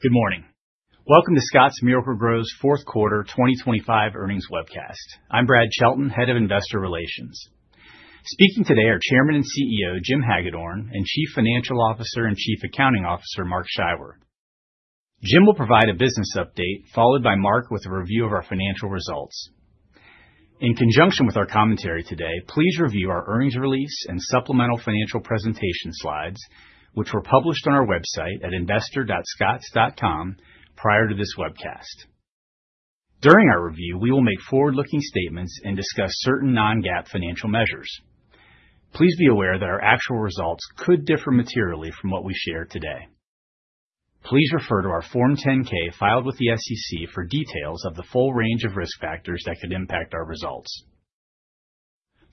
Good morning. Welcome to Scotts Miracle-Gro's fourth quarter 2025 earnings webcast. I'm Brad Shelton, Head of Investor Relations. Speaking today are Chairman and CEO Jim Hagedorn and Chief Financial Officer and Chief Accounting Officer Mark Scheiwer. Jim will provide a business update, followed by Mark with a review of our financial results. In conjunction with our commentary today, please review our earnings release and supplemental financial presentation slides, which were published on our website at investor.scotts.com prior to this webcast. During our review, we will make forward-looking statements and discuss certain non-GAAP financial measures. Please be aware that our actual results could differ materially from what we share today. Please refer to our Form 10-K filed with the SEC for details of the full range of risk factors that could impact our results.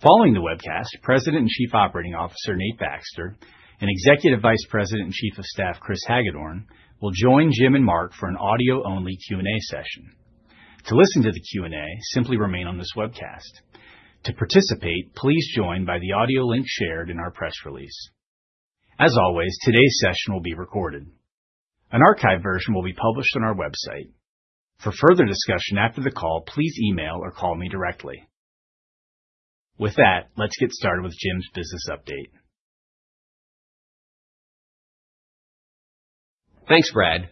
Following the webcast, President and Chief Operating Officer Nate Baxter and Executive Vice President and Chief of Staff Chris Hagedorn will join Jim and Mark for an audio-only Q&A session. To listen to the Q&A, simply remain on this webcast. To participate, please join by the audio link shared in our press release. As always, today's session will be recorded. An archived version will be published on our website. For further discussion after the call, please email or call me directly. With that, let's get started with Jim's business update. Thanks, Brad.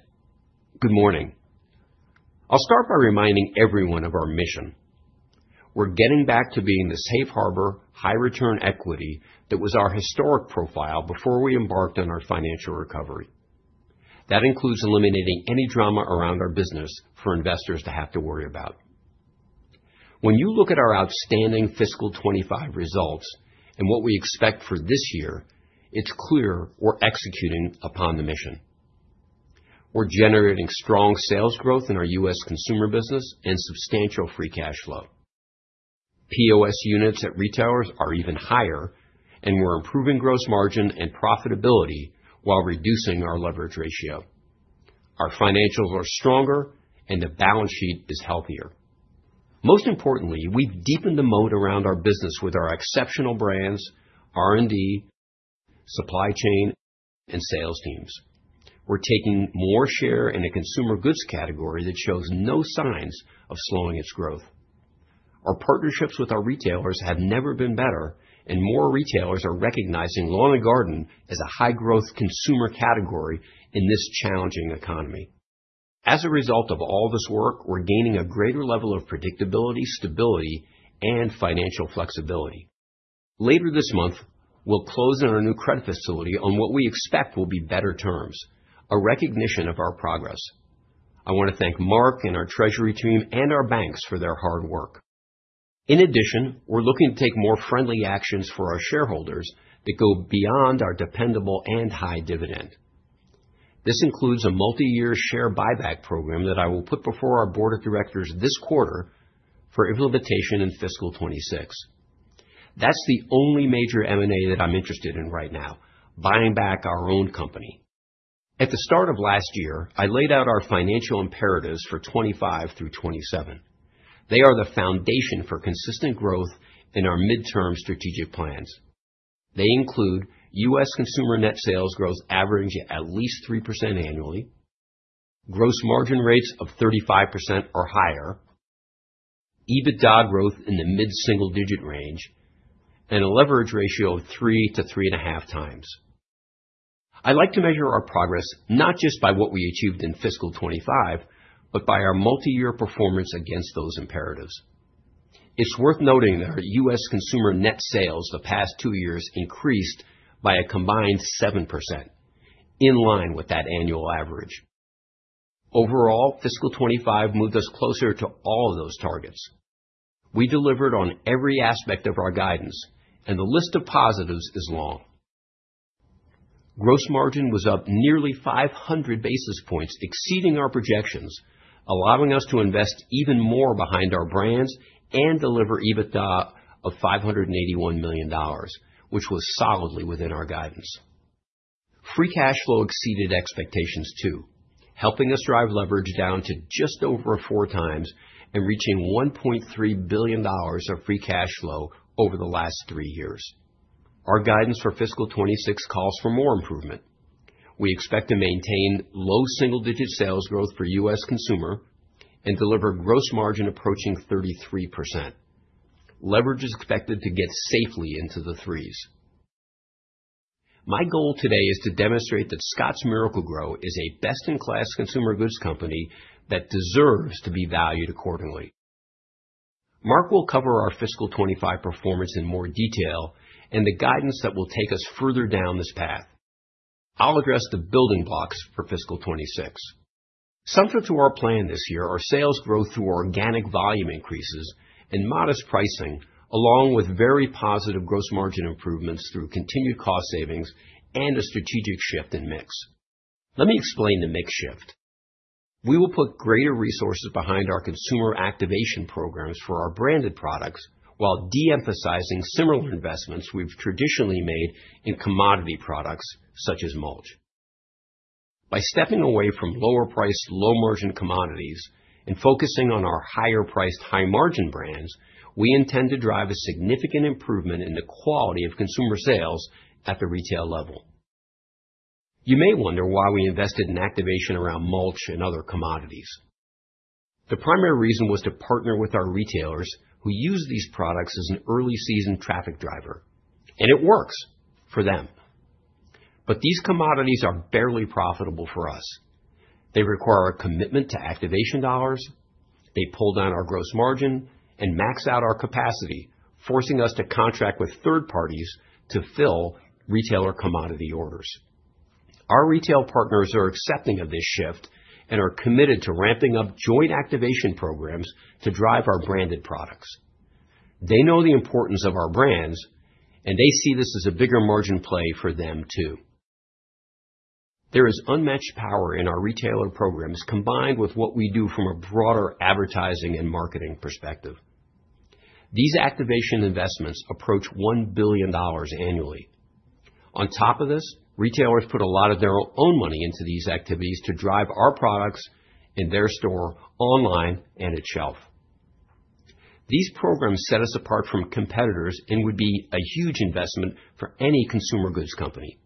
Good morning. I'll start by reminding everyone of our mission. We're getting back to being the safe harbor, high-return equity that was our historic profile before we embarked on our financial recovery. That includes eliminating any drama around our business for investors to have to worry about. When you look at our outstanding fiscal 2025 results and what we expect for this year, it's clear we're executing upon the mission. We're generating strong sales growth in our U.S. Consumer business and substantial free cash flow. POS units at retailers are even higher, and we're improving gross margin and profitability while reducing our leverage ratio. Our financials are stronger, and the balance sheet is healthier. Most importantly, we've deepened the moat around our business with our exceptional brands, R&D, supply chain, and sales teams. We're taking more share in a consumer goods category that shows no signs of slowing its growth. Our partnerships with our retailers have never been better, and more retailers are recognizing Lawn & Garden as a high-growth consumer category in this challenging economy. As a result of all this work, we're gaining a greater level of predictability, stability, and financial flexibility. Later this month, we'll close on our new credit facility on what we expect will be better terms, a recognition of our progress. I want to thank Mark and our treasury team and our banks for their hard work. In addition, we're looking to take more friendly actions for our shareholders that go beyond our dependable and high dividend. This includes a multi-year share buyback program that I will put before our board of directors this quarter for implementation in fiscal 2026. That's the only major M&A that I'm interested in right now, buying back our own company. At the start of last year, I laid out our financial imperatives for 2025 through 2027. They are the foundation for consistent growth in our midterm strategic plans. They include U.S. Consumer net sales growth averaging at least 3% annually, gross margin rates of 35% or higher, EBITDA growth in the mid-single-digit range, and a leverage ratio of 3-3.5x. I'd like to measure our progress not just by what we achieved in fiscal 2025, but by our multi-year performance against those imperatives. It's worth noting that our U.S. Consumer net sales the past two years increased by a combined 7%, in line with that annual average. Overall, fiscal 2025 moved us closer to all of those targets. We delivered on every aspect of our guidance, and the list of positives is long. Gross margin was up nearly 500 basis points, exceeding our projections, allowing us to invest even more behind our brands and deliver EBITDA of $581 million, which was solidly within our guidance. Free cash flow exceeded expectations too, helping us drive leverage down to just over four times and reaching $1.3 billion of free cash flow over the last three years. Our guidance for fiscal 2026 calls for more improvement. We expect to maintain low single-digit sales growth for U.S. Consumer and deliver gross margin approaching 33%. Leverage is expected to get safely into the threes. My goal today is to demonstrate that Scotts Miracle-Gro is a best-in-class consumer goods company that deserves to be valued accordingly. Mark will cover our fiscal 2025 performance in more detail and the guidance that will take us further down this path. I'll address the building blocks for fiscal 2026. Central to our plan this year are sales growth through organic volume increases and modest pricing, along with very positive gross margin improvements through continued cost savings and a strategic shift in mix. Let me explain the mix shift. We will put greater resources behind our consumer activation programs for our branded products while de-emphasizing similar investments we've traditionally made in commodity products such as mulch. By stepping away from lower-priced, low-margin commodities and focusing on our higher-priced, high-margin brands, we intend to drive a significant improvement in the quality of consumer sales at the retail level. You may wonder why we invested in activation around mulch and other commodities. The primary reason was to partner with our retailers who use these products as an early-season traffic driver, and it works for them. But these commodities are barely profitable for us. They require a commitment to activation dollars, they pull down our gross margin, and max out our capacity, forcing us to contract with third parties to fill retailer commodity orders. Our retail partners are accepting of this shift and are committed to ramping up joint activation programs to drive our branded products. They know the importance of our brands, and they see this as a bigger margin play for them too. There is unmatched power in our retailer programs combined with what we do from a broader advertising and marketing perspective. These activation investments approach $1 billion annually. On top of this, retailers put a lot of their own money into these activities to drive our products in their store, online, and at shelf. These programs set us apart from competitors and would be a huge investment for any consumer goods company.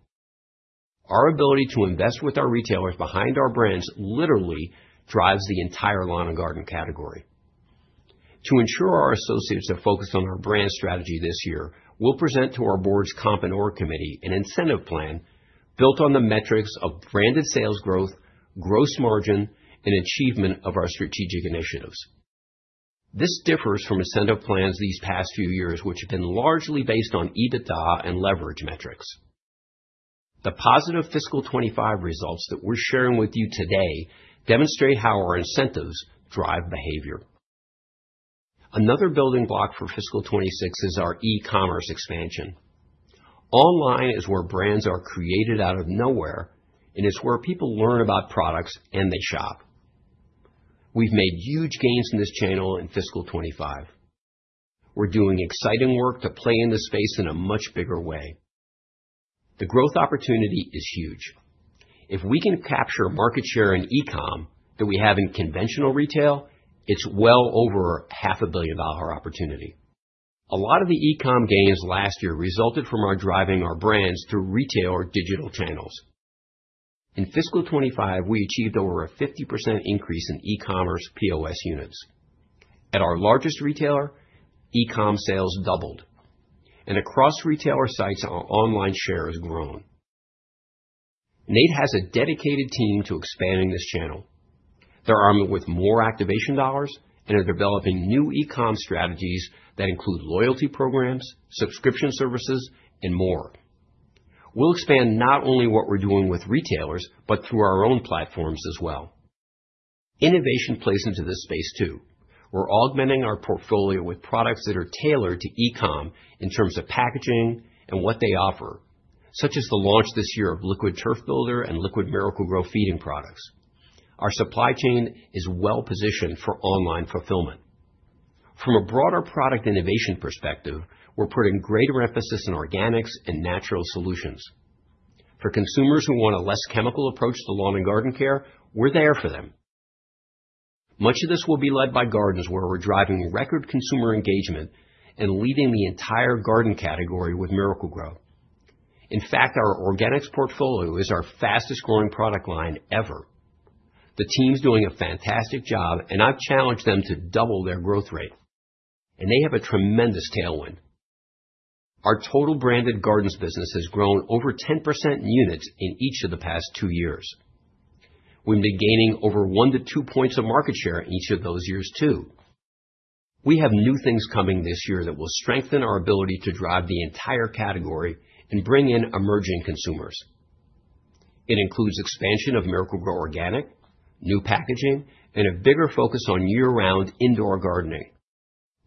Our ability to invest with our retailers behind our brands literally drives the entire Lawn & Garden category. To ensure our associates are focused on our brand strategy this year, we'll present to our board's Compensation and Organization Committee an incentive plan built on the metrics of branded sales growth, gross margin, and achievement of our strategic initiatives. This differs from incentive plans these past few years, which have been largely based on EBITDA and leverage metrics. The positive fiscal 2025 results that we're sharing with you today demonstrate how our incentives drive behavior. Another building block for fiscal 2026 is our e-commerce expansion. Online is where brands are created out of nowhere, and it's where people learn about products and they shop. We've made huge gains in this channel in fiscal 2025. We're doing exciting work to play in this space in a much bigger way. The growth opportunity is huge. If we can capture market share in e-com that we have in conventional retail, it's well over $500 million opportunity. A lot of the e-com gains last year resulted from our driving our brands through retail or digital channels. In fiscal 2025, we achieved over a 50% increase in e-commerce POS units. At our largest retailer, e-com sales doubled, and across retailer sites, our online share has grown. Nate has a dedicated team to expanding this channel. They're armed with more activation dollars and are developing new e-com strategies that include loyalty programs, subscription services, and more. We'll expand not only what we're doing with retailers, but through our own platforms as well. Innovation plays into this space too. We're augmenting our portfolio with products that are tailored to e-com in terms of packaging and what they offer, such as the launch this year of Liquid Turf Builder and Liquid Miracle-Gro feeding products. Our supply chain is well-positioned for online fulfillment. From a broader product innovation perspective, we're putting greater emphasis on organics and natural solutions. For consumers who want a less chemical approach to Lawn & Garden care, we're there for them. Much of this will be led by gardens where we're driving record consumer engagement and leading the entire garden category with Miracle-Gro. In fact, our organics portfolio is our fastest-growing product line ever. The team's doing a fantastic job, and I've challenged them to double their growth rate, and they have a tremendous tailwind. Our total branded gardens business has grown over 10% in units in each of the past two years. We've been gaining over one to two points of market share in each of those years too. We have new things coming this year that will strengthen our ability to drive the entire category and bring in emerging consumers. It includes expansion of Miracle-Gro Organic, new packaging, and a bigger focus on year-round indoor gardening.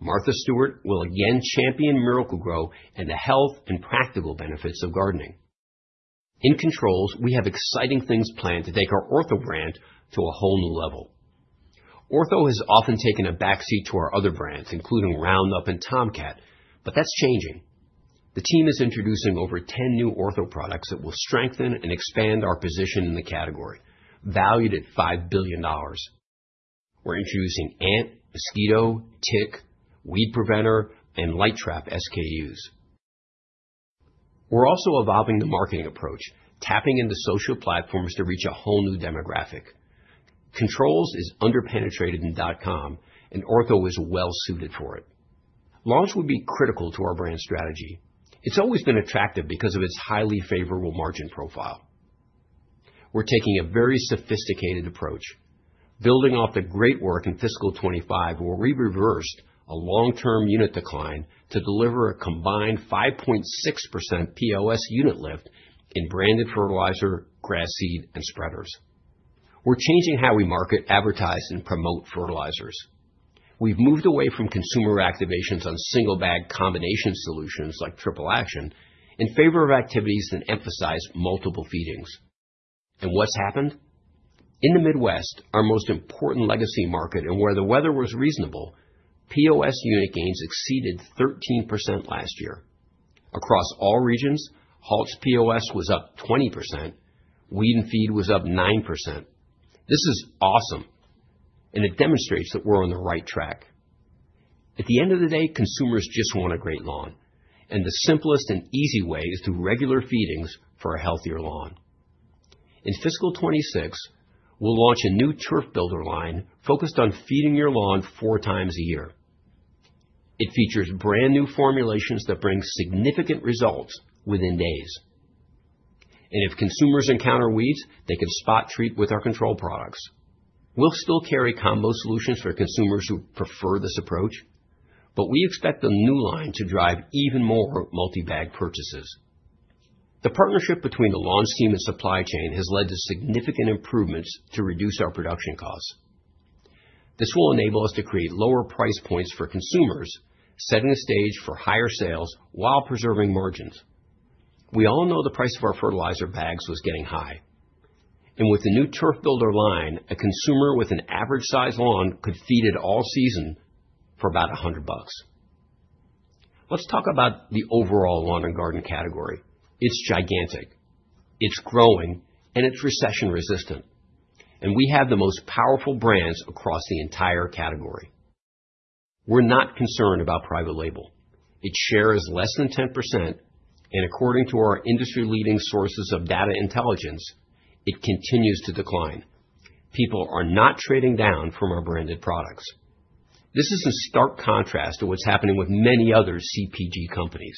Martha Stewart will again champion Miracle-Gro and the health and practical benefits of gardening. In controls, we have exciting things planned to take our Ortho brand to a whole new level. Ortho has often taken a backseat to our other brands, including Roundup and Tomcat, but that's changing. The team is introducing over 10 new Ortho products that will strengthen and expand our position in the category, valued at $5 billion. We're introducing ant, mosquito, tick, weed preventer, and light trap SKUs. We're also evolving the marketing approach, tapping into social platforms to reach a whole new demographic. Controls is underpenetrated in dot-com, and Ortho is well-suited for it. Launch would be critical to our brand strategy. It's always been attractive because of its highly favorable margin profile. We're taking a very sophisticated approach. Building off the great work in fiscal 2025, we reversed a long-term unit decline to deliver a combined 5.6% POS unit lift in branded fertilizer, grass seed, and spreaders. We're changing how we market, advertise, and promote fertilizers. We've moved away from consumer activations on single-bag combination solutions like Triple Action in favor of activities that emphasize multiple feedings. And what's happened? In the Midwest, our most important legacy market and where the weather was reasonable, POS unit gains exceeded 13% last year. Across all regions, Halts POS was up 20%, Weed & Feed was up 9%. This is awesome, and it demonstrates that we're on the right track. At the end of the day, consumers just want a great lawn, and the simplest and easy way is through regular feedings for a healthier lawn. In fiscal 2026, we'll launch a new Turf Builder line focused on feeding your lawn four times a year. It features brand new formulations that bring significant results within days, and if consumers encounter weeds, they can spot treat with our control products. We'll still carry combo solutions for consumers who prefer this approach, but we expect the new line to drive even more multi-bag purchases. The partnership between the lawn team and supply chain has led to significant improvements to reduce our production costs. This will enable us to create lower price points for consumers, setting the stage for higher sales while preserving margins. We all know the price of our fertilizer bags was getting high, and with the new turf builder line, a consumer with an average size lawn could feed it all season for about $100. Let's talk about the overall Lawn & Garden category. It's gigantic. It's growing, and it's recession resistant, and we have the most powerful brands across the entire category. We're not concerned about private label. It shares less than 10%, and according to our industry-leading sources of data intelligence, it continues to decline. People are not trading down from our branded products. This is in stark contrast to what's happening with many other CPG companies.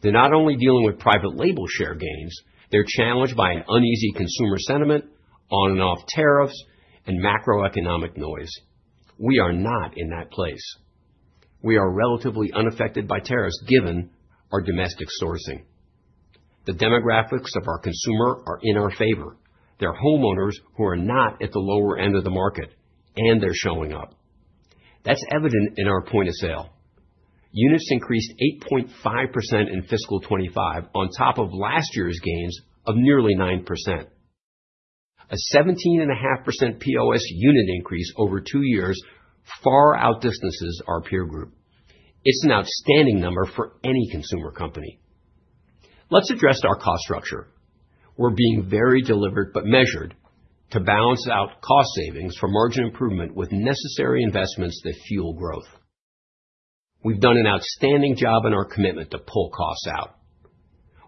They're not only dealing with private label share gains, they're challenged by uneasy consumer sentiment, on-and-off tariffs, and macroeconomic noise. We are not in that place. We are relatively unaffected by tariffs given our domestic sourcing. The demographics of our consumer are in our favor. They're homeowners who are not at the lower end of the market, and they're showing up. That's evident in our point of sale. Units increased 8.5% in fiscal 2025 on top of last year's gains of nearly 9%. A 17.5% POS unit increase over two years far outdistances our peer group. It's an outstanding number for any consumer company. Let's address our cost structure. We're being very deliberate but measured to balance out cost savings for margin improvement with necessary investments that fuel growth. We've done an outstanding job in our commitment to pull costs out.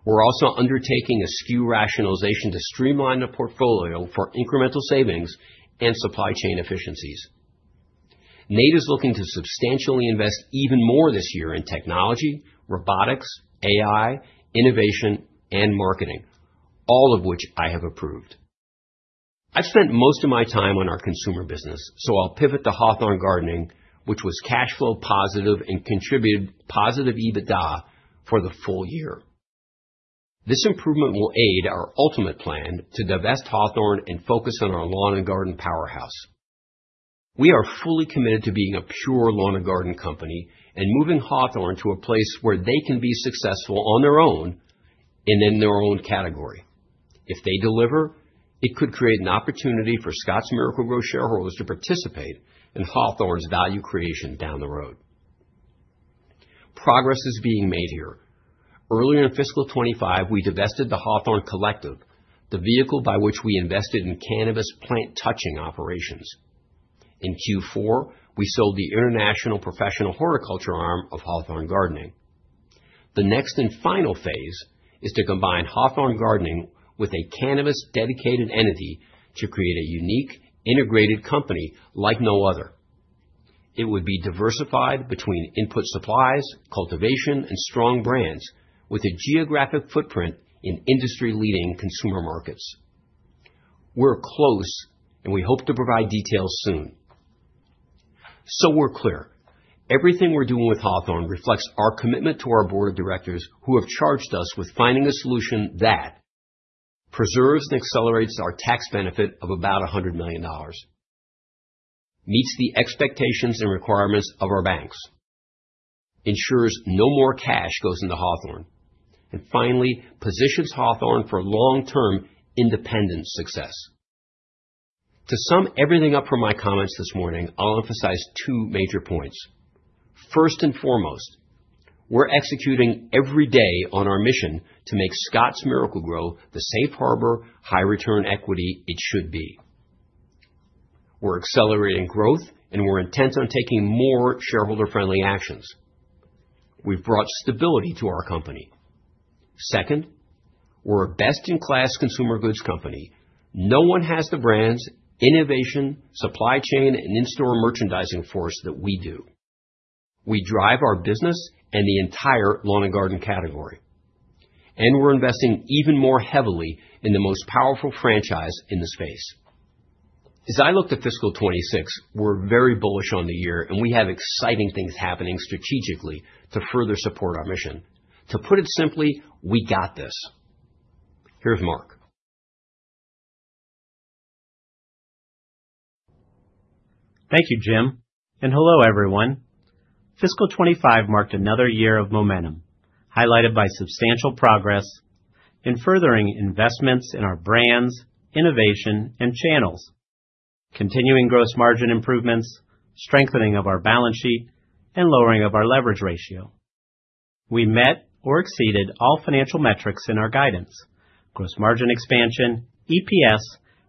We're also undertaking a SKU rationalization to streamline the portfolio for incremental savings and supply chain efficiencies. Nate is looking to substantially invest even more this year in technology, robotics, AI, innovation, and marketing, all of which I have approved. I've spent most of my time on our consumer business, so I'll pivot to Hawthorne Gardening, which was cash flow positive and contributed positive EBITDA for the full year. This improvement will aid our ultimate plan to divest Hawthorne and focus on our Lawn & Garden powerhouse. We are fully committed to being a pure Lawn & Garden company and moving Hawthorne to a place where they can be successful on their own and in their own category. If they deliver, it could create an opportunity for Scotts Miracle-Gro shareholders to participate in Hawthorne's value creation down the road. Progress is being made here. Earlier in fiscal 2025, we divested the Hawthorne Collective, the vehicle by which we invested in cannabis plant-touching operations. In Q4, we sold the international professional horticulture arm of Hawthorne Gardening. The next and final phase is to combine Hawthorne Gardening with a cannabis-dedicated entity to create a unique integrated company like no other. It would be diversified between input supplies, cultivation, and strong brands with a geographic footprint in industry-leading consumer markets. We're close, and we hope to provide details soon. So we're clear. Everything we're doing with Hawthorne reflects our commitment to our board of directors who have charged us with finding a solution that preserves and accelerates our tax benefit of about $100 million, meets the expectations and requirements of our banks, ensures no more cash goes into Hawthorne, and finally positions Hawthorne for long-term independent success. To sum everything up from my comments this morning, I'll emphasize two major points. First and foremost, we're executing every day on our mission to make Scotts Miracle-Gro the safe harbor, high-return equity it should be. We're accelerating growth, and we're intent on taking more shareholder-friendly actions. We've brought stability to our company. Second, we're a best-in-class consumer goods company. No one has the brands, innovation, supply chain, and in-store merchandising force that we do. We drive our business and the entire Lawn & Garden category. And we're investing even more heavily in the most powerful franchise in the space. As I look to fiscal 2026, we're very bullish on the year, and we have exciting things happening strategically to further support our mission. To put it simply, we got this. Here's Mark. Thank you, Jim. And hello, everyone. Fiscal 2025 marked another year of momentum, highlighted by substantial progress in furthering investments in our brands, innovation, and channels, continuing gross margin improvements, strengthening of our balance sheet, and lowering of our leverage ratio. We met or exceeded all financial metrics in our guidance. Gross margin expansion, EPS,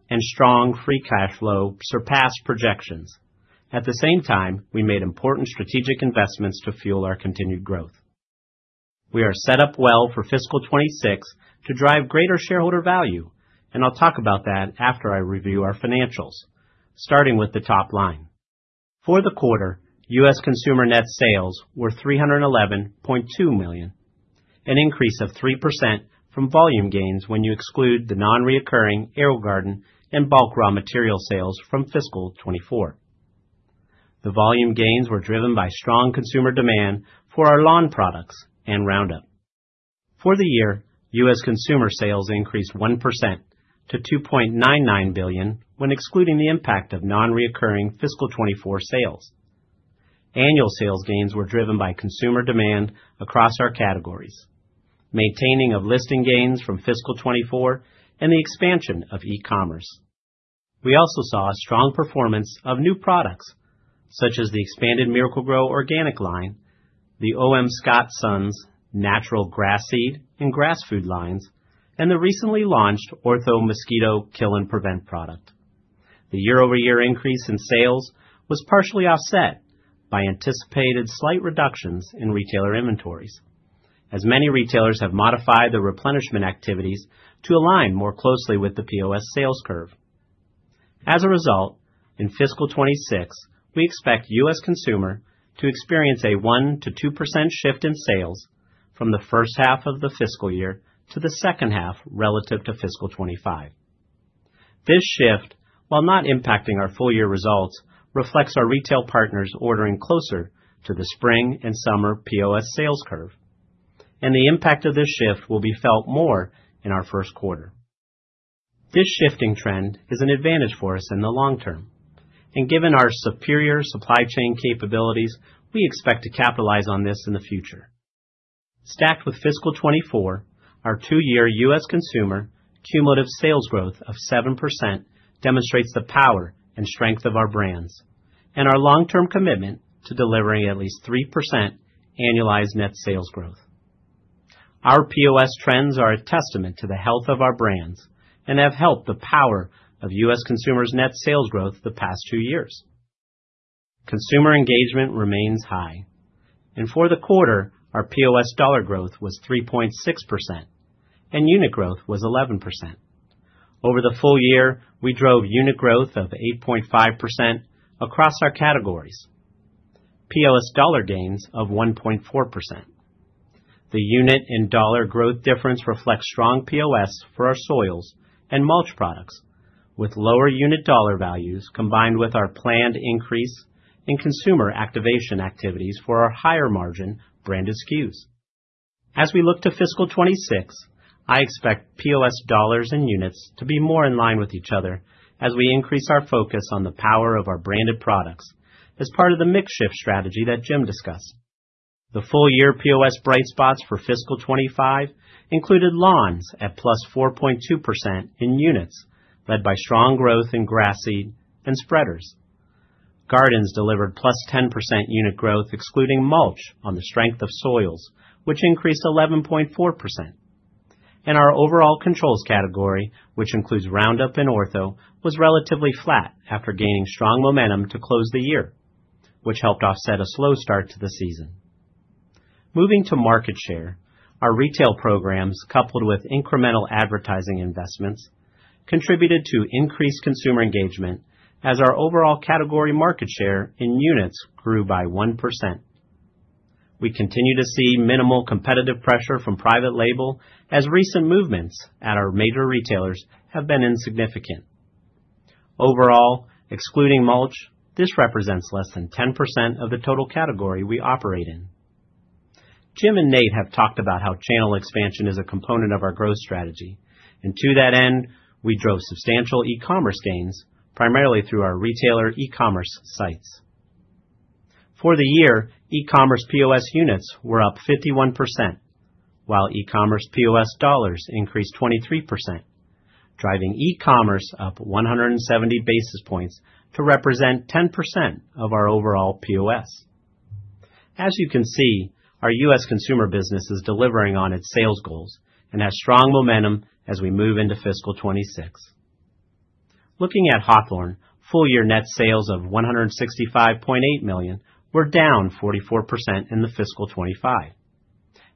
and strong free cash flow surpassed projections. At the same time, we made important strategic investments to fuel our continued growth. We are set up well for fiscal 2026 to drive greater shareholder value, and I'll talk about that after I review our financials, starting with the top line. For the quarter, U.S. Consumer net sales were $311.2 million, an increase of 3% from volume gains when you exclude the non-recurring AeroGarden and bulk raw material sales from fiscal 2024. The volume gains were driven by strong consumer demand for our lawn products and Roundup. For the year, U.S. Consumer sales increased 1% to $2.99 billion when excluding the impact of non-recurring fiscal 2024 sales. Annual sales gains were driven by consumer demand across our categories, maintaining of listing gains from fiscal 2024 and the expansion of e-commerce. We also saw a strong performance of new products, such as the expanded Miracle-Gro Organic line, the O.M. Scott Sons natural grass seed and grass food lines, and the recently launched Ortho Mosquito Kill & Prevent product. The year-over-year increase in sales was partially offset by anticipated slight reductions in retailer inventories, as many retailers have modified the replenishment activities to align more closely with the POS sales curve. As a result, in fiscal 2026, we expect U.S. Consumer to experience a 1%-2% shift in sales from the first half of the fiscal year to the second half relative to fiscal 2025. This shift, while not impacting our full-year results, reflects our retail partners ordering closer to the spring and summer POS sales curve, and the impact of this shift will be felt more in our first quarter. This shifting trend is an advantage for us in the long term. And given our superior supply chain capabilities, we expect to capitalize on this in the future. Stacked with fiscal 2024, our two-year U.S. Consumer cumulative sales growth of 7% demonstrates the power and strength of our brands and our long-term commitment to delivering at least 3% annualized net sales growth. Our POS trends are a testament to the health of our brands and have helped the power of U.S. Consumers' net sales growth the past two years. Consumer engagement remains high. And for the quarter, our POS dollar growth was 3.6%, and unit growth was 11%. Over the full year, we drove unit growth of 8.5% across our categories, POS dollar gains of 1.4%. The unit and dollar growth difference reflects strong POS for our soils and mulch products, with lower unit dollar values combined with our planned increase in consumer activation activities for our higher margin branded SKUs. As we look to fiscal 2026, I expect POS dollars and units to be more in line with each other as we increase our focus on the power of our branded products as part of the mix shift strategy that Jim discussed. The full-year POS bright spots for fiscal 2025 included lawns at +4.2% in units, led by strong growth in grass seed and spreaders. Gardens delivered +10% unit growth, excluding mulch on the strength of soils, which increased 11.4%, and our overall controls category, which includes Roundup and Ortho, was relatively flat after gaining strong momentum to close the year, which helped offset a slow start to the season Moving to market share, our retail programs, coupled with incremental advertising investments, contributed to increased consumer engagement as our overall category market share in units grew by 1%. We continue to see minimal competitive pressure from private label as recent movements at our major retailers have been insignificant. Overall, excluding mulch, this represents less than 10% of the total category we operate in. Jim and Nate have talked about how channel expansion is a component of our growth strategy, and to that end, we drove substantial e-commerce gains, primarily through our retailer e-commerce sites. For the year, e-commerce POS units were up 51%, while e-commerce POS dollars increased 23%, driving e-commerce up 170 basis points to represent 10% of our overall POS. As you can see, our U.S. Consumer business is delivering on its sales goals and has strong momentum as we move into fiscal 2026. Looking at Hawthorne, full-year net sales of $165.8 million were down 44% in fiscal 2025,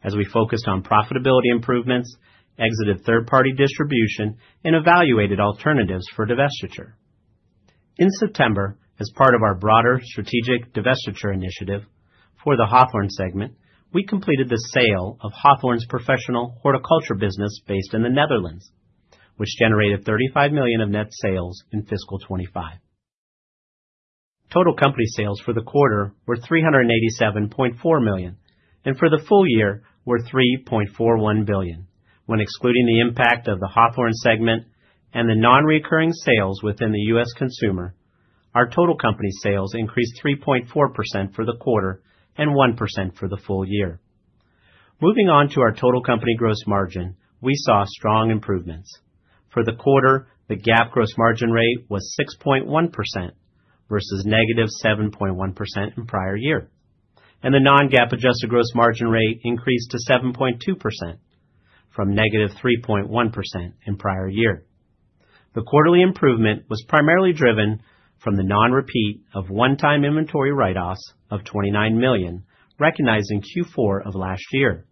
as we focused on profitability improvements, exited third-party distribution, and evaluated alternatives for divestiture. In September, as part of our broader strategic divestiture initiative for the Hawthorne segment, we completed the sale of Hawthorne's professional horticulture business based in the Netherlands, which generated $35 million of net sales in fiscal 2025. Total company sales for the quarter were $387.4 million, and for the full year, were $3.41 billion. When excluding the impact of the Hawthorne segment and the non-recurring sales within the U.S. Consumer, our total company sales increased 3.4% for the quarter and 1% for the full year. Moving on to our total company gross margin, we saw strong improvements. For the quarter, the GAAP gross margin rate was 6.1% versus -7.1% in prior year. And the non-GAAP adjusted gross margin rate increased to 7.2% from -3.1% in prior year. The quarterly improvement was primarily driven from the non-repeat of one-time inventory write-offs of $29 million, recognizing Q4 of last year,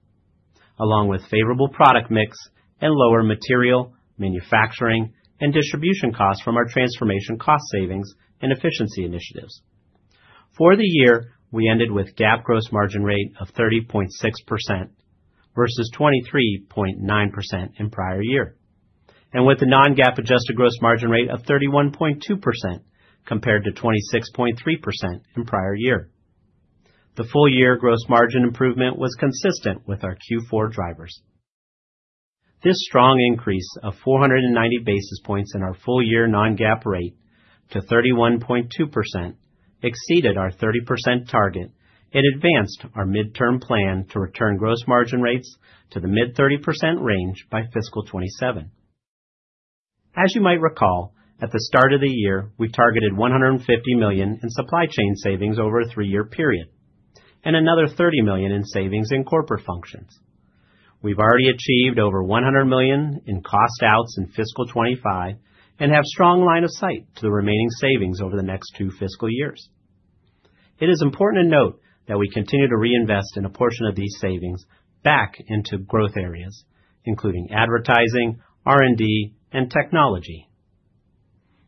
along with favorable product mix and lower material, manufacturing, and distribution costs from our transformation cost savings and efficiency initiatives. For the year, we ended with GAAP gross margin rate of 30.6% versus 23.9% in prior year, and with the non-GAAP adjusted gross margin rate of 31.2% compared to 26.3% in prior year. The full-year gross margin improvement was consistent with our Q4 drivers. This strong increase of 490 basis points in our full-year non-GAAP rate to 31.2% exceeded our 30% target and advanced our midterm plan to return gross margin rates to the mid-30% range by fiscal 2027. As you might recall, at the start of the year, we targeted $150 million in supply chain savings over a three-year period and another $30 million in savings in corporate functions. We've already achieved over $100 million in cost outs in fiscal 2025 and have a strong line of sight to the remaining savings over the next two fiscal years. It is important to note that we continue to reinvest in a portion of these savings back into growth areas, including advertising, R&D, and technology.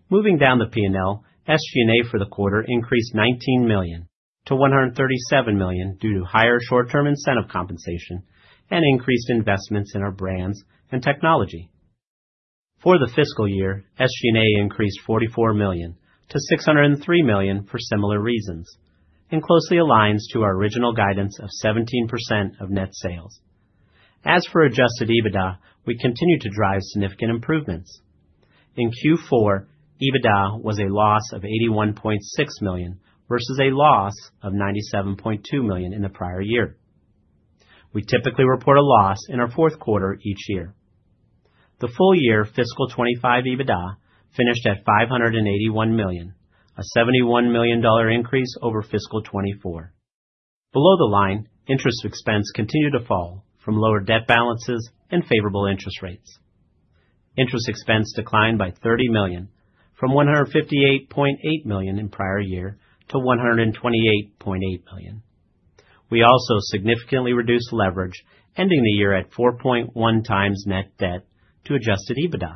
Moving down the P&L, SG&A for the quarter increased $19 million to $137 million due to higher short-term incentive compensation and increased investments in our brands and technology. For the fiscal year, SG&A increased $44 million to $603 million for similar reasons and closely aligns to our original guidance of 17% of net sales. As for adjusted EBITDA, we continue to drive significant improvements. In Q4, EBITDA was a loss of $81.6 million versus a loss of $97.2 million in the prior year. We typically report a loss in our fourth quarter each year. The full-year fiscal 2025 EBITDA finished at $581 million, a $71 million increase over fiscal 2024. Below the line, interest expense continued to fall from lower debt balances and favorable interest rates. Interest expense declined by $30 million from $158.8 million in prior year to $128.8 million. We also significantly reduced leverage, ending the year at 4.1x net debt to adjusted EBITDA,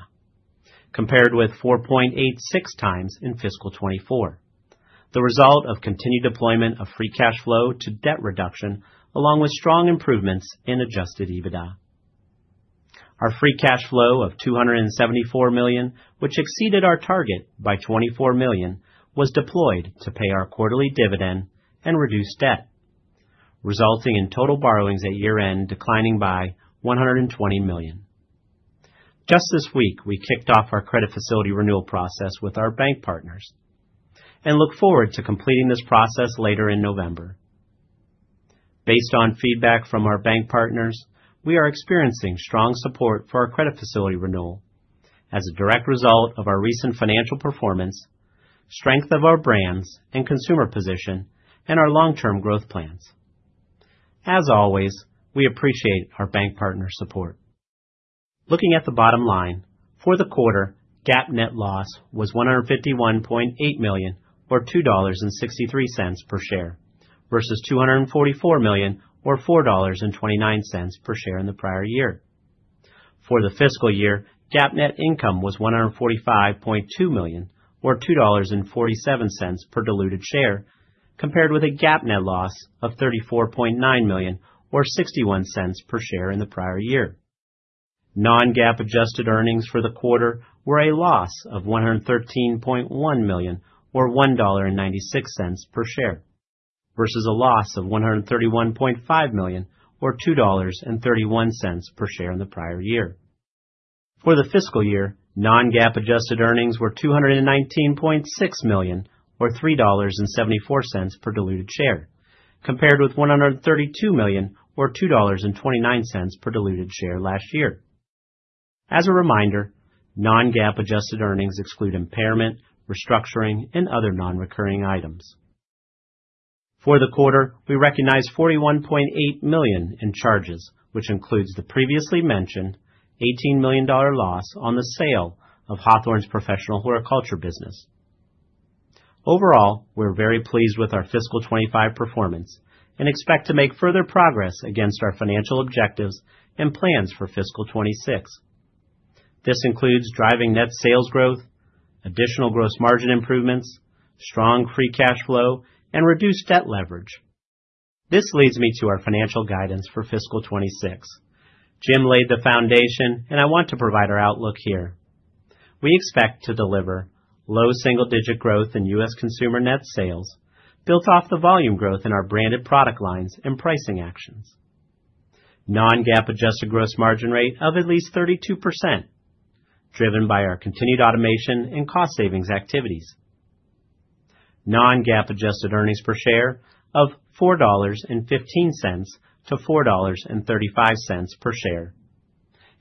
compared with 4.86x in fiscal 2024. The result of continued deployment of free cash flow to debt reduction, along with strong improvements in adjusted EBITDA. Our free cash flow of $274 million, which exceeded our target by $24 million, was deployed to pay our quarterly dividend and reduce debt, resulting in total borrowings at year-end declining by $120 million. Just this week, we kicked off our credit facility renewal process with our bank partners and look forward to completing this process later in November. Based on feedback from our bank partners, we are experiencing strong support for our credit facility renewal as a direct result of our recent financial performance, strength of our brands and consumer position, and our long-term growth plans. As always, we appreciate our bank partner support. Looking at the bottom line, for the quarter, GAAP net loss was $151.8 million or $2.63 per share versus $244 million or $4.29 per share in the prior year. For the fiscal year, GAAP net income was $145.2 million or $2.47 per diluted share, compared with a GAAP net loss of $34.9 million or $0.61 per share in the prior year. Non-GAAP adjusted earnings for the quarter were a loss of $113.1 million or $1.96 per share versus a loss of $131.5 million or $2.31 per share in the prior year. For the fiscal year, non-GAAP adjusted earnings were $219.6 million or $3.74 per diluted share, compared with $132 million or $2.29 per diluted share last year. As a reminder, non-GAAP adjusted earnings exclude impairment, restructuring, and other non-recurring items. For the quarter, we recognize $41.8 million in charges, which includes the previously mentioned $18 million loss on the sale of Hawthorne's professional horticulture business. Overall, we're very pleased with our fiscal 2025 performance and expect to make further progress against our financial objectives and plans for fiscal 2026. This includes driving net sales growth, additional gross margin improvements, strong free cash flow, and reduced debt leverage. This leads me to our financial guidance for fiscal 2026. Jim laid the foundation, and I want to provide our outlook here. We expect to deliver low single-digit growth in U.S. Consumer net sales, built off the volume growth in our branded product lines and pricing actions. Non-GAAP adjusted gross margin rate of at least 32%, driven by our continued automation and cost savings activities. Non-GAAP adjusted earnings per share of $4.15 to $4.35 per share,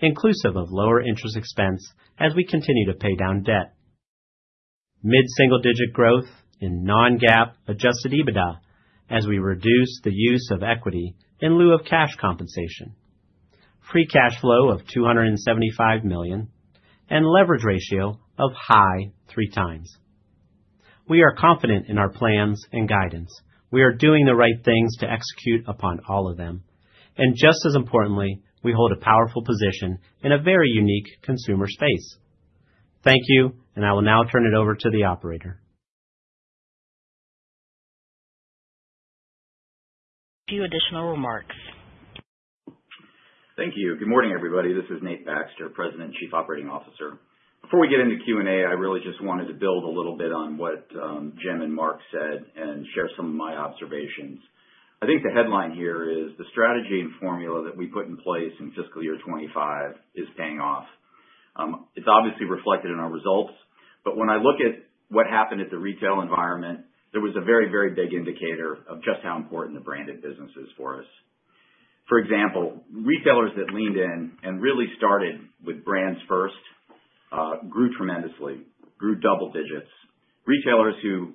inclusive of lower interest expense as we continue to pay down debt. Mid-single-digit growth in Non-GAAP adjusted EBITDA as we reduce the use of equity in lieu of cash compensation. Free cash flow of $275 million and leverage ratio of high three times. We are confident in our plans and guidance. We are doing the right things to execute upon all of them. And just as importantly, we hold a powerful position in a very unique consumer space. Thank you, and I will now turn it over to the operator. A few additional remarks. Thank you. Good morning, everybody. This is Nate Baxter, President and Chief Operating Officer. Before we get into Q&A, I really just wanted to build a little bit on what Jim and Mark said and share some of my observations. I think the headline here is the strategy and formula that we put in place in fiscal year 2025 is paying off. It's obviously reflected in our results. But when I look at what happened at the retail environment, there was a very, very big indicator of just how important the branded business is for us. For example, retailers that leaned in and really started with brands first grew tremendously, grew double digits. Retailers who,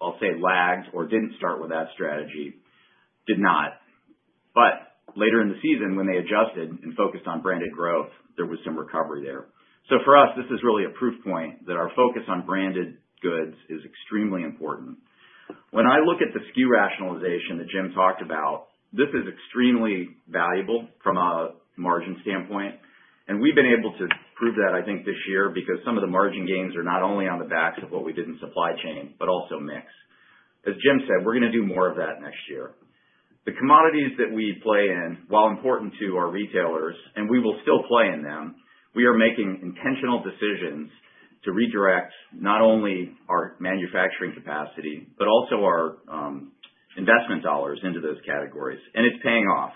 I'll say, lagged or didn't start with that strategy did not, but later in the season, when they adjusted and focused on branded growth, there was some recovery there, so for us, this is really a proof point that our focus on branded goods is extremely important. When I look at the SKU rationalization that Jim talked about, this is extremely valuable from a margin standpoint, and we've been able to prove that, I think, this year because some of the margin gains are not only on the backs of what we did in supply chain, but also mix. As Jim said, we're going to do more of that next year. The commodities that we play in, while important to our retailers, and we will still play in them, we are making intentional decisions to redirect not only our manufacturing capacity, but also our investment dollars into those categories, and it's paying off.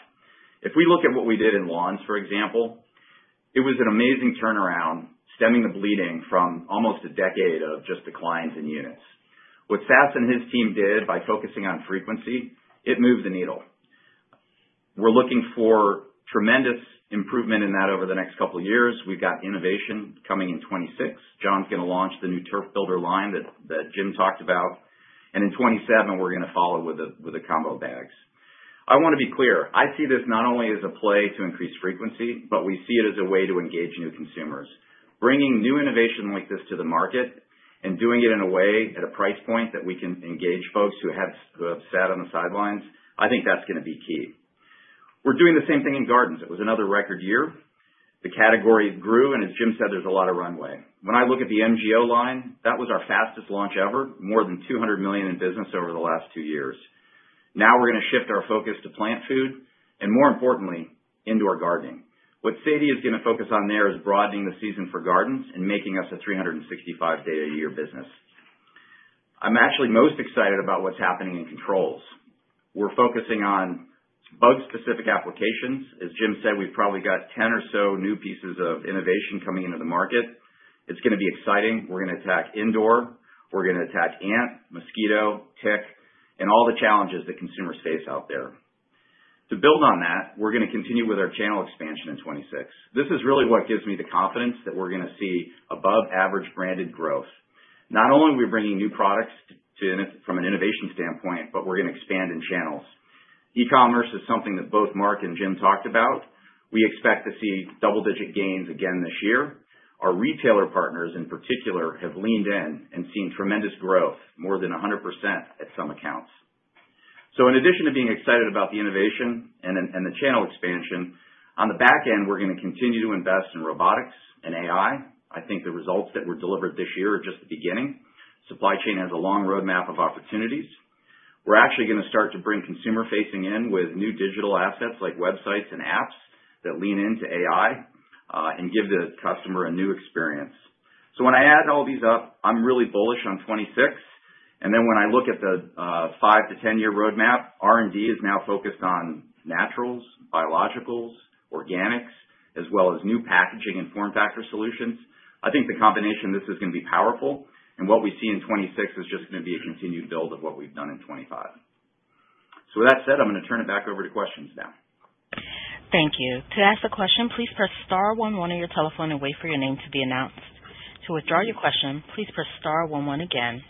If we look at what we did in lawns, for example, it was an amazing turnaround, stemming the bleeding from almost a decade of just declines in units. What Sass and his team did by focusing on frequency, it moved the needle. We're looking for tremendous improvement in that over the next couple of years. We've got innovation coming in 2026. John's going to launch the new turf builder line that Jim talked about, and in 2027, we're going to follow with the combo bags. I want to be clear. I see this not only as a play to increase frequency, but we see it as a way to engage new consumers. Bringing new innovation like this to the market and doing it in a way at a price point that we can engage folks who have sat on the sidelines, I think that's going to be key. We're doing the same thing in gardens. It was another record year. The category grew, and as Jim said, there's a lot of runway. When I look at the MGO line, that was our fastest launch ever, more than $200 million in business over the last two years. Now we're going to shift our focus to plant food and, more importantly, indoor gardening. What Sadie is going to focus on there is broadening the season for gardens and making us a $365 a year business. I'm actually most excited about what's happening in controls. We're focusing on bug-specific applications. As Jim said, we've probably got 10 or so new pieces of innovation coming into the market. It's going to be exciting. We're going to attack indoor. We're going to attack ant, mosquito, tick, and all the challenges that consumers face out there. To build on that, we're going to continue with our channel expansion in 2026. This is really what gives me the confidence that we're going to see above-average branded growth. Not only are we bringing new products from an innovation standpoint, but we're going to expand in channels. E-commerce is something that both Mark and Jim talked about. We expect to see double-digit gains again this year. Our retailer partners, in particular, have leaned in and seen tremendous growth, more than 100% at some accounts. So in addition to being excited about the innovation and the channel expansion, on the back end, we're going to continue to invest in robotics and AI. I think the results that were delivered this year are just the beginning. Supply chain has a long roadmap of opportunities. We're actually going to start to bring consumer-facing in with new digital assets like websites and apps that lean into AI and give the customer a new experience. So when I add all these up, I'm really bullish on 2026. And then when I look at the five to ten-year roadmap, R&D is now focused on naturals, biologicals, organics, as well as new packaging and form factor solutions. I think the combination of this is going to be powerful. And what we see in 2026 is just going to be a continued build of what we've done in 2025. So with that said, I'm going to turn it back over to questions now. Thank you. To ask a question, please press star one one one your telephone and wait for your name to be announced. To withdraw your question, please press star one one again.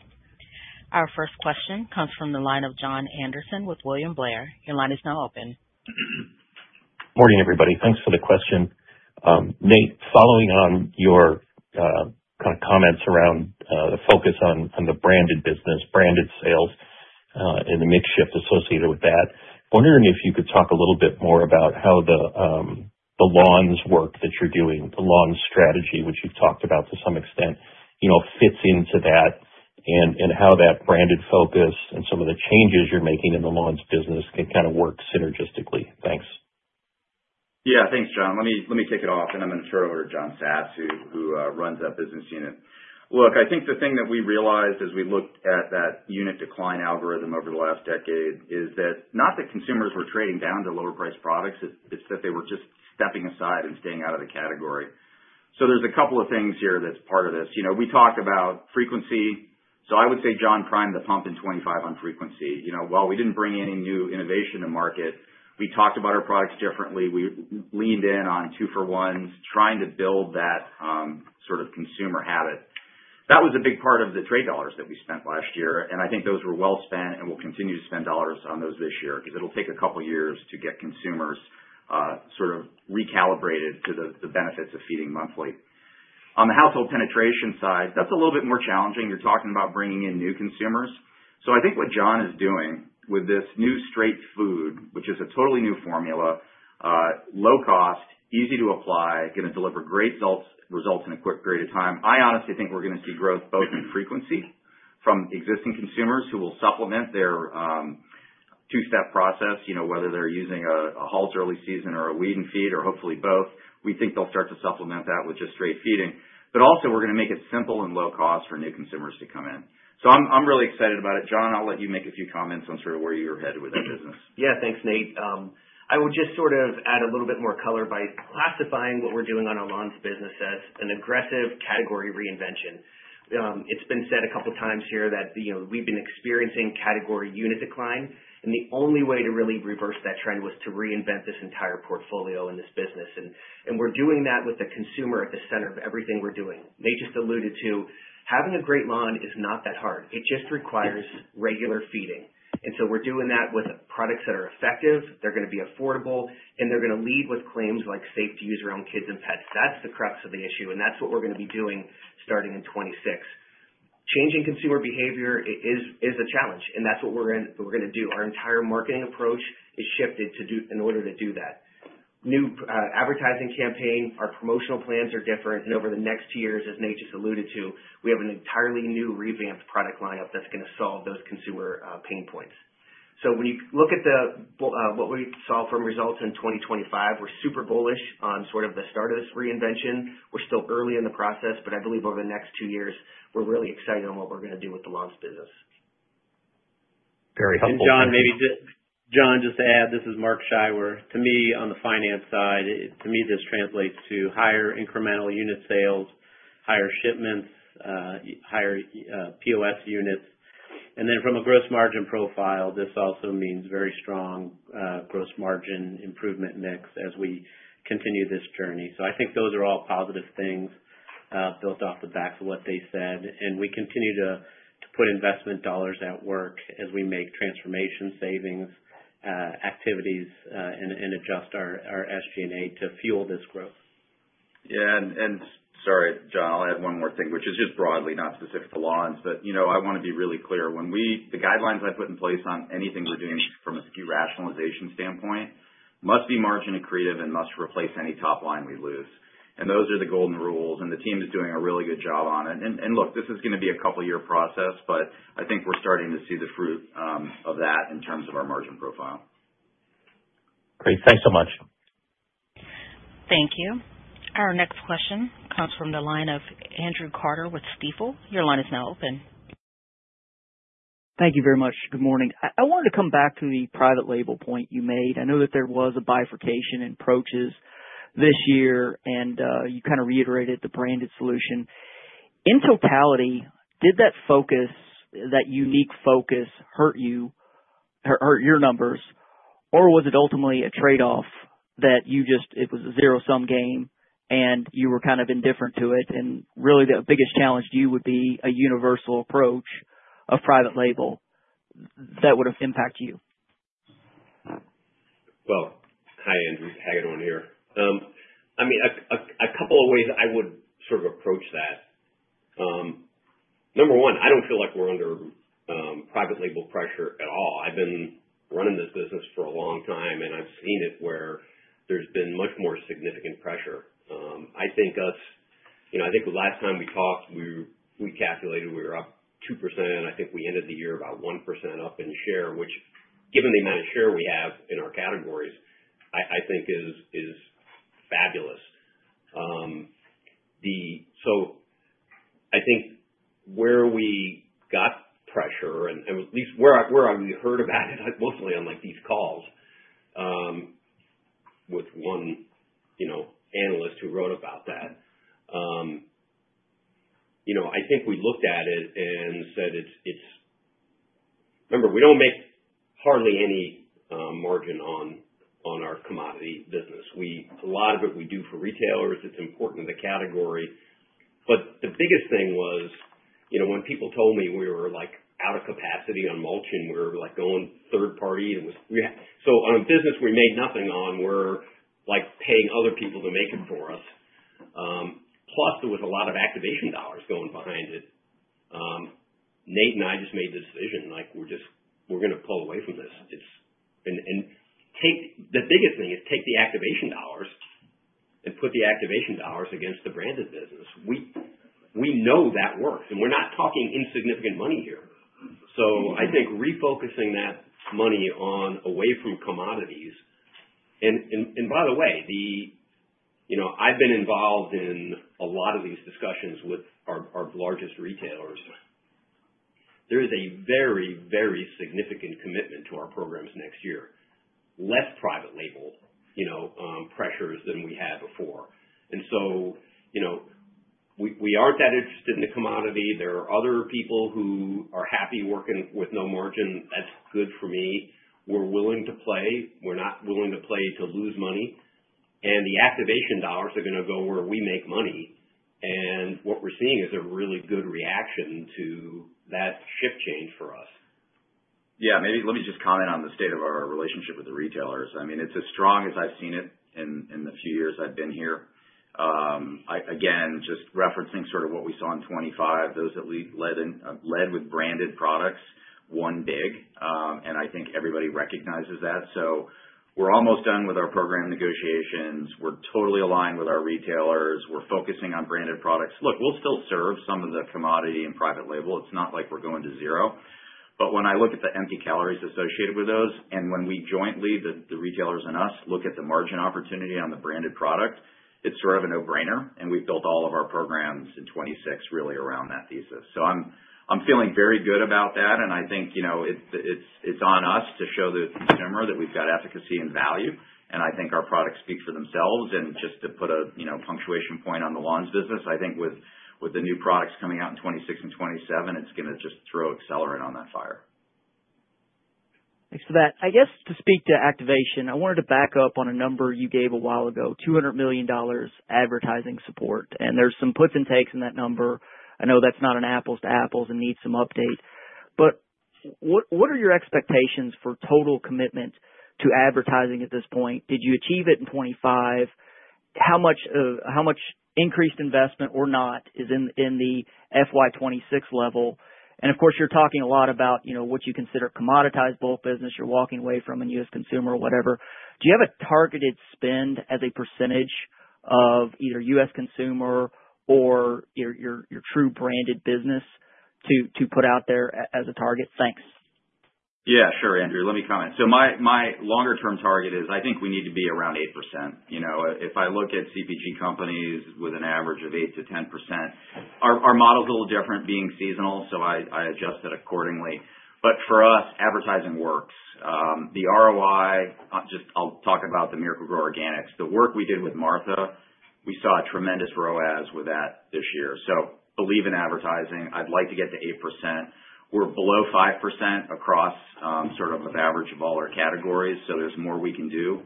Our first question comes from the line of Jon Andersen with William Blair. Your line is now open. Morning, everybody. Thanks for the question. Nate, following on your comments around the focus on the branded business, branded sales, and the mix shift associated with that, I'm wondering if you could talk a little bit more about how the lawn work that you're doing, the lawn strategy, which you've talked about to some extent, fits into that and how that branded focus and some of the changes you're making in the lawns business can kind of work synergistically. Thanks. Yeah, thanks, Jon. Let me kick it off, and I'm going to turn it over to John Sass, who runs that business unit. Look, I think the thing that we realized as we looked at that unit decline altogether over the last decade is that not that consumers were trading down to lower-priced products, it's that they were just stepping aside and staying out of the category. So there's a couple of things here that's part of this. We talked about frequency. So I would say Jon primed the pump in 2025 on frequency. While we didn't bring any new innovation to market, we talked about our products differently. We leaned in on two-for-ones, trying to build that sort of consumer habit. That was a big part of the trade dollars that we spent last year. And I think those were well spent and will continue to spend dollars on those this year because it'll take a couple of years to get consumers sort of recalibrated to the benefits of feeding monthly. On the household penetration side, that's a little bit more challenging. You're talking about bringing in new consumers, so I think what John is doing with this new straight food, which is a totally new formula, low cost, easy to apply, going to deliver great results in a quick period of time. I honestly think we're going to see growth both in frequency from existing consumers who will supplement their two-step process, whether they're using a Halts early season or a Weed & Feed or hopefully both. We think they'll start to supplement that with just straight feeding. But also, we're going to make it simple and low cost for new consumers to come in. So I'm really excited about it. John, I'll let you make a few comments on sort of where you're headed with that business. Yeah, thanks, Nate. I would just sort of add a little bit more color by classifying what we're doing on our lawns business as an aggressive category reinvention. It's been said a couple of times here that we've been experiencing category unit decline. And the only way to really reverse that trend was to reinvent this entire portfolio in this business. And we're doing that with the consumer at the center of everything we're doing. Nate just alluded to having a great lawn is not that hard. It just requires regular feeding. And so we're doing that with products that are effective, they're going to be affordable, and they're going to lead with claims like safe to use around kids and pets. That's the crux of the issue. And that's what we're going to be doing starting in 2026. Changing consumer behavior is a challenge. And that's what we're going to do. Our entire marketing approach is shifted in order to do that. New advertising campaign, our promotional plans are different. And over the next years, as Nate just alluded to, we have an entirely new revamped product lineup that's going to solve those consumer pain points. So when you look at what we saw from results in 2025, we're super bullish on sort of the start of this reinvention. We're still early in the process, but I believe over the next two years, we're really excited on what we're going to do with the lawns business. Very helpful. And Jon, just to add, this is Mark Scheiwer. To me, on the finance side, to me, this translates to higher incremental unit sales, higher shipments, higher POS units. And then from a gross margin profile, this also means very strong gross margin improvement mix as we continue this journey. So I think those are all positive things built off the back of what they said. And we continue to put investment dollars at work as we make transformation savings activities and adjust our SG&A to fuel this growth. Yeah. And sorry, Jon, I'll add one more thing, which is just broadly, not specific to lawns. But I want to be really clear. The guidelines I put in place on anything we're doing from a SKU rationalization standpoint must be margin-accretive and must replace any top line we lose. And those are the golden rules. And the team is doing a really good job on it. And look, this is going to be a couple-year process, but I think we're starting to see the fruit of that in terms of our margin profile. Great. Thanks so much. Thank you. Our next question comes from the line of Andrew Carter with Stifel. Your line is now open. Thank you very much. Good morning. I wanted to come back to the private label point you made. I know that there was a bifurcation in approaches this year, and you kind of reiterated the branded solution. In totality, did that focus, that unique focus hurt you, hurt your numbers, or was it ultimately a trade-off that you just, it was a zero-sum game and you were kind of indifferent to it? And really, the biggest challenge to you would be a universal approach of private label that would have impacted you. Well, hi, Andrew. Hagedorn here. I mean, a couple of ways I would sort of approach that. Number one, I don't feel like we're under private label pressure at all. I've been running this business for a long time, and I've seen it where there's been much more significant pressure. I think us, I think last time we talked, we calculated we were up 2%. I think we ended the year about 1% up in share, which, given the amount of share we have in our categories, I think is fabulous. So I think where we got pressure, and at least where we heard about it, mostly on these calls with one analyst who wrote about that, I think we looked at it and said, "Remember, we don't make hardly any margin on our commodity business. A lot of it we do for retailers. It's important to the category." But the biggest thing was when people told me we were out of capacity on mulching, we were going third-party. So on a business we made nothing on, we're paying other people to make it for us. Plus, there was a lot of activation dollars going behind it. Nate and I just made the decision, like, "We're going to pull away from this." And the biggest thing is take the activation dollars and put the activation dollars against the branded business. We know that works. And we're not talking insignificant money here. So, I think refocusing that money away from commodities. And by the way, I've been involved in a lot of these discussions with our largest retailers. There is a very, very significant commitment to our programs next year, less private label pressures than we had before. And so we aren't that interested in the commodity. There are other people who are happy working with no margin. That's good for me. We're willing to play. We're not willing to play to lose money. And the activation dollars are going to go where we make money. And what we're seeing is a really good reaction to that shift change for us. Yeah. Maybe let me just comment on the state of our relationship with the retailers. I mean, it's as strong as I've seen it in the few years I've been here. Again, just referencing sort of what we saw in 2025, those that led with branded products, won big. And I think everybody recognizes that. So we're almost done with our program negotiations. We're totally aligned with our retailers. We're focusing on branded products. Look, we'll still serve some of the commodity and private label. It's not like we're going to zero. But when I look at the empty calories associated with those, and when we jointly, the retailers and us, look at the margin opportunity on the branded product, it's sort of a no-brainer. And we've built all of our programs in 2026 really around that thesis. So I'm feeling very good about that. And I think it's on us to show the consumer that we've got efficacy and value. And I think our products speak for themselves. And just to put a punctuation point on the lawns business, I think with the new products coming out in 2026 and 2027, it's going to just throw accelerant on that fire. Thanks for that. I guess to speak to activation, I wanted to back up on a number you gave a while ago, $200 million advertising support. And there's some puts and takes in that number. I know that's not an apples to apples and needs some update. But what are your expectations for total commitment to advertising at this point? Did you achieve it in 2025? How much increased investment or not is in the FY 2026 level? And of course, you're talking a lot about what you consider commoditized bulk business. You're walking away from a U.S. Consumer or whatever. Do you have a targeted spend as a percentage of either U.S. Consumer or your true branded business to put out there as a target? Thanks. Yeah, sure, Andrew. Let me comment. So my longer-term target is I think we need to be around 8%. If I look at CPG companies with an average of 8%-10%, our model's a little different being seasonal, so I adjust it accordingly. But for us, advertising works. The ROI, just I'll talk about the Miracle-Gro Organics. The work we did with Martha, we saw a tremendous ROAS with that this year. So believe in advertising. I'd like to get to 8%. We're below 5% across sort of the average of all our categories, so there's more we can do.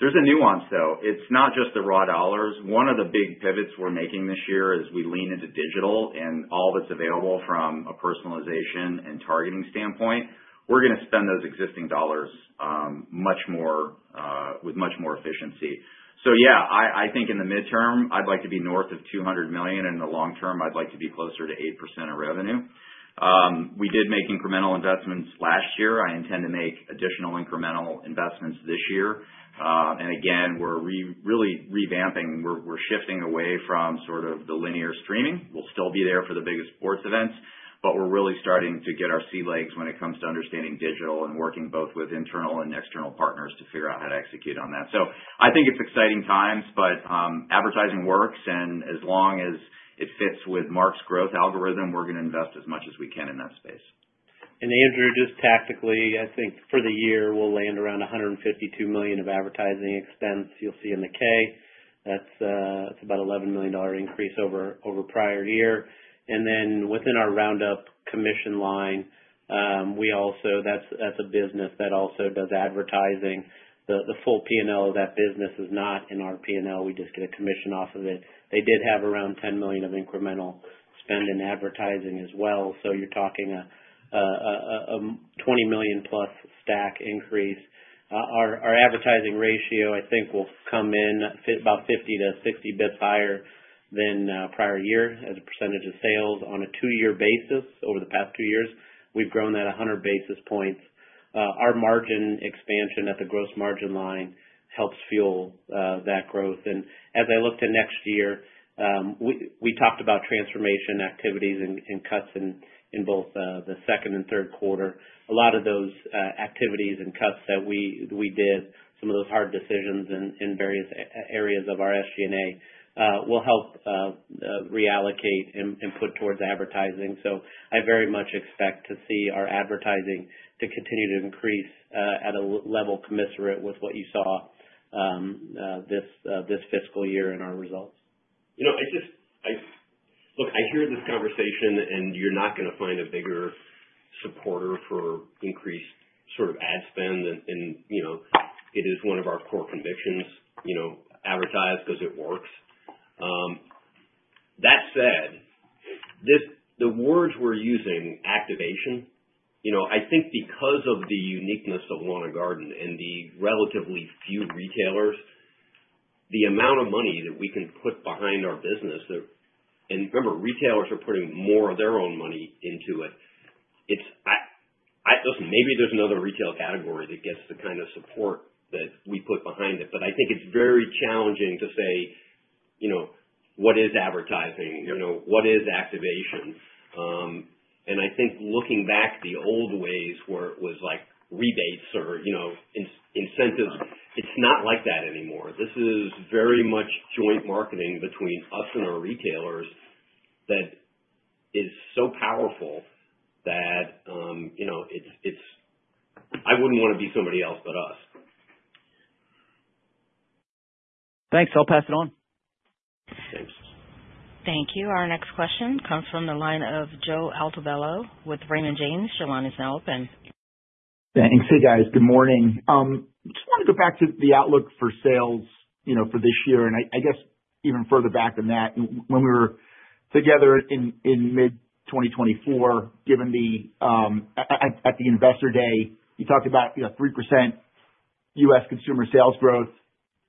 There's a nuance, though. It's not just the raw dollars. One of the big pivots we're making this year is we lean into digital and all that's available from a personalization and targeting standpoint. We're going to spend those existing dollars with much more efficiency. So yeah, I think in the midterm, I'd like to be north of $200 million. And in the long term, I'd like to be closer to 8% of revenue. We did make incremental investments last year. I intend to make additional incremental investments this year. And again, we're really revamping. We're shifting away from sort of the linear streaming. We'll still be there for the biggest sports events, but we're really starting to get our sea legs when it comes to understanding digital and working both with internal and external partners to figure out how to execute on that. So I think it's exciting times, but advertising works. As long as it fits with Mark's growth algorithm, we're going to invest as much as we can in that space. Andrew, just tactically, I think for the year, we'll land around $152 million of advertising expense. You'll see in the 10-K. That's about an $11 million increase over prior year. Then within our Roundup commission line, that's a business that also does advertising. The full P&L of that business is not in our P&L. We just get a commission off of it. They did have around $10 million of incremental spend in advertising as well. So you're talking a $20 million-plus stack increase. Our advertising ratio, I think, will come in about 50 to 60 basis points higher than prior year as a percentage of sales. On a two-year basis, over the past two years, we've grown at 100 basis points. Our margin expansion at the gross margin line helps fuel that growth, and as I look to next year, we talked about transformation activities and cuts in both the second and third quarter. A lot of those activities and cuts that we did, some of those hard decisions in various areas of our SG&A, will help reallocate and put towards advertising. So I very much expect to see our advertising to continue to increase at a level commensurate with what you saw this fiscal year in our results. Look, I hear this conversation, and you're not going to find a bigger supporter for increased sort of ad spend, and it is one of our core convictions, advertise because it works. That said, the words we're using, activation, I think because of the uniqueness of Lawn & Garden and the relatively few retailers, the amount of money that we can put behind our business, and remember, retailers are putting more of their own money into it. Listen, maybe there's another retail category that gets the kind of support that we put behind it. But I think it's very challenging to say, "What is advertising? What is activation?" And I think looking back, the old ways where it was like rebates or incentives, it's not like that anymore. This is very much joint marketing between us and our retailers that is so powerful that I wouldn't want to be somebody else but us. Thanks. I'll pass it on. Thank you. Our next question comes from the line of Joe Altobello with Raymond James. Your line is now open. Thanks. Hey, guys. Good morning. Just wanted to go back to the outlook for sales for this year, and I guess even further back than that, when we were together in mid-2024, given at the Investor Day, you talked about 3% U.S. Consumer sales growth.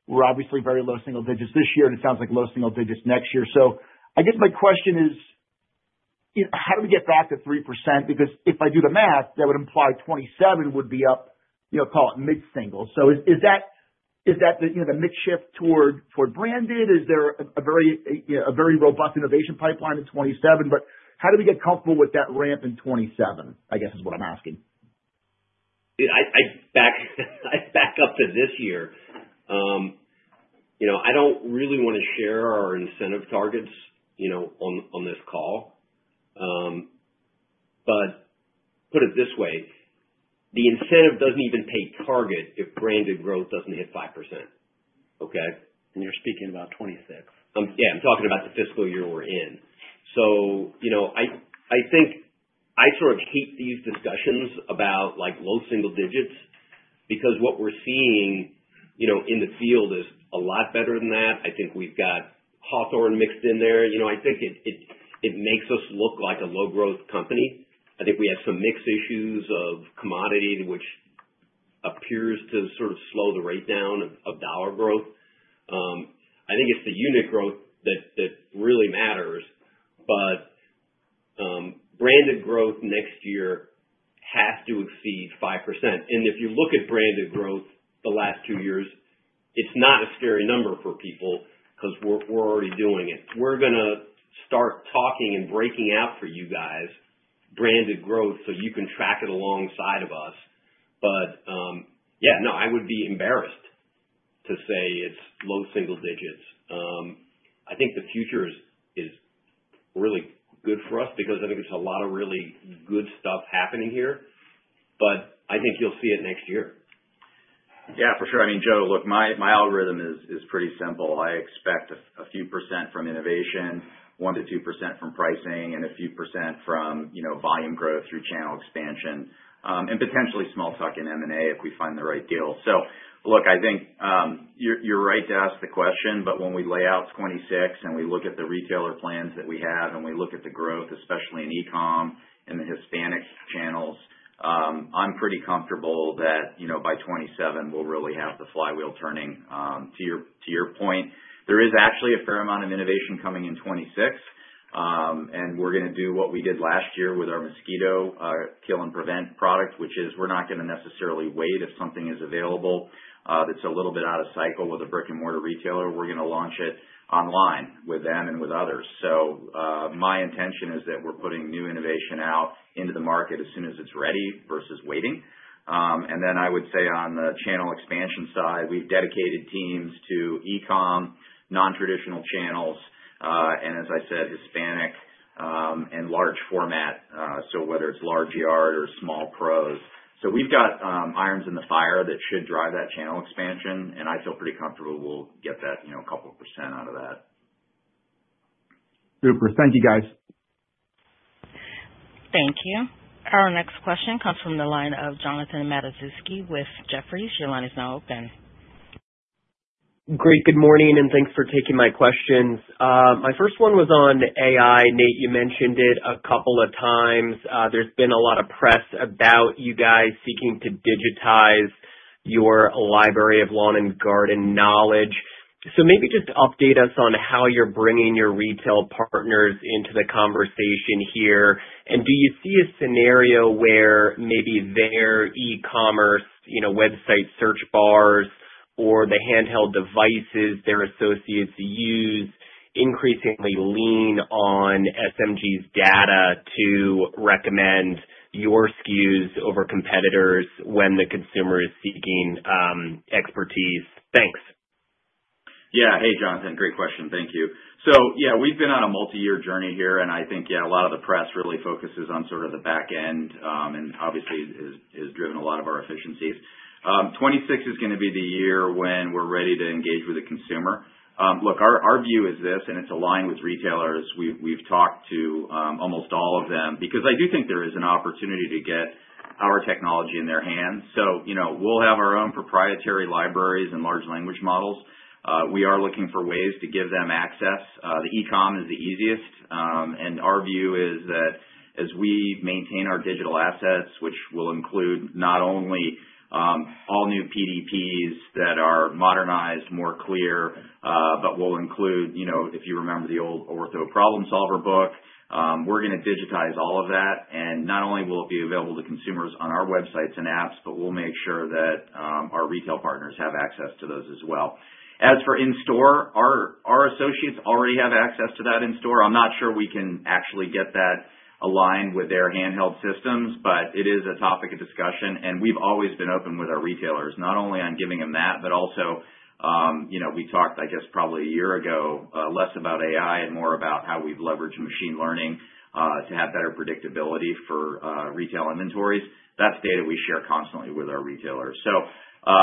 We're obviously very low single digits this year, and it sounds like low single digits next year, so I guess my question is, how do we get back to 3%? Because if I do the math, that would imply 2027 would be up, call it mid-single. Is that the mid-shift toward branded? Is there a very robust innovation pipeline in 2027? How do we get comfortable with that ramp in 2027, I guess, is what I'm asking. Back up to this year, I don't really want to share our incentive targets on this call. But put it this way, the incentive doesn't even pay target if branded growth doesn't hit 5%. Okay? And you're speaking about 2026. Yeah. I'm talking about the fiscal year we're in. So I think I sort of hate these discussions about low single digits because what we're seeing in the field is a lot better than that. I think we've got Hawthorne mixed in there. I think it makes us look like a low-growth company. I think we have some mixed issues of commodity, which appears to sort of slow the rate down of dollar growth. I think it's the unit growth that really matters. But branded growth next year has to exceed 5%. And if you look at branded growth the last two years, it's not a scary number for people because we're already doing it. We're going to start talking and breaking out for you guys branded growth so you can track it alongside of us. But yeah, no, I would be embarrassed to say it's low single digits. I think the future is really good for us because I think there's a lot of really good stuff happening here. But I think you'll see it next year. Yeah, for sure. I mean, Joe, look, my algorithm is pretty simple. I expect a few percent from innovation, 1%-2% from pricing, and a few percent from volume growth through channel expansion, and potentially small tuck-in M&A if we find the right deal. So look, I think you're right to ask the question. But when we lay out 2026 and we look at the retailer plans that we have and we look at the growth, especially in e-com and the Hispanic channels, I'm pretty comfortable that by 2027, we'll really have the flywheel turning. To your point, there is actually a fair amount of innovation coming in 2026. And we're going to do what we did last year with our Mosquito Kill & Prevent product, which is we're not going to necessarily wait if something is available that's a little bit out of cycle with a brick-and-mortar retailer. We're going to launch it online with them and with others. So my intention is that we're putting new innovation out into the market as soon as it's ready versus waiting. And then I would say on the channel expansion side, we've dedicated teams to e-comm, non-traditional channels, and as I said, Hispanic and large format. So whether it's large yard or small pros. So we've got irons in the fire that should drive that channel expansion. And I feel pretty comfortable we'll get that couple of percent out of that. Super. Thank you, guys. Thank you. Our next question comes from the line of Jonathan Matuszewski with Jefferies. Your line is now open. Great. Good morning. And thanks for taking my questions. My first one was on AI. Nate, you mentioned it a couple of times. There's been a lot of press about you guys seeking to digitize your library of Lawn & Garden knowledge. So maybe just update us on how you're bringing your retail partners into the conversation here. And do you see a scenario where maybe their e-commerce website search bars or the handheld devices their associates use increasingly lean on SMG's data to recommend your SKUs over competitors when the consumer is seeking expertise? Thanks. Yeah. Hey, Jonathan. Great question. Thank you. So yeah, we've been on a multi-year journey here. And I think, yeah, a lot of the press really focuses on sort of the back end and obviously has driven a lot of our efficiencies. 2026 is going to be the year when we're ready to engage with the consumer. Look, our view is this, and it's aligned with retailers. We've talked to almost all of them because I do think there is an opportunity to get our technology in their hands. So we'll have our own proprietary libraries and large language models. We are looking for ways to give them access. The e-com is the easiest. And our view is that as we maintain our digital assets, which will include not only all new PDPs that are modernized, more clear, but will include, if you remember the old Ortho Problem Solver book, we're going to digitize all of that. And not only will it be available to consumers on our websites and apps, but we'll make sure that our retail partners have access to those as well. As for in-store, our associates already have access to that in-store. I'm not sure we can actually get that aligned with their handheld systems, but it is a topic of discussion. And we've always been open with our retailers, not only on giving them that, but also we talked, I guess, probably a year ago, less about AI and more about how we've leveraged machine learning to have better predictability for retail inventories. That's data we share constantly with our retailers. So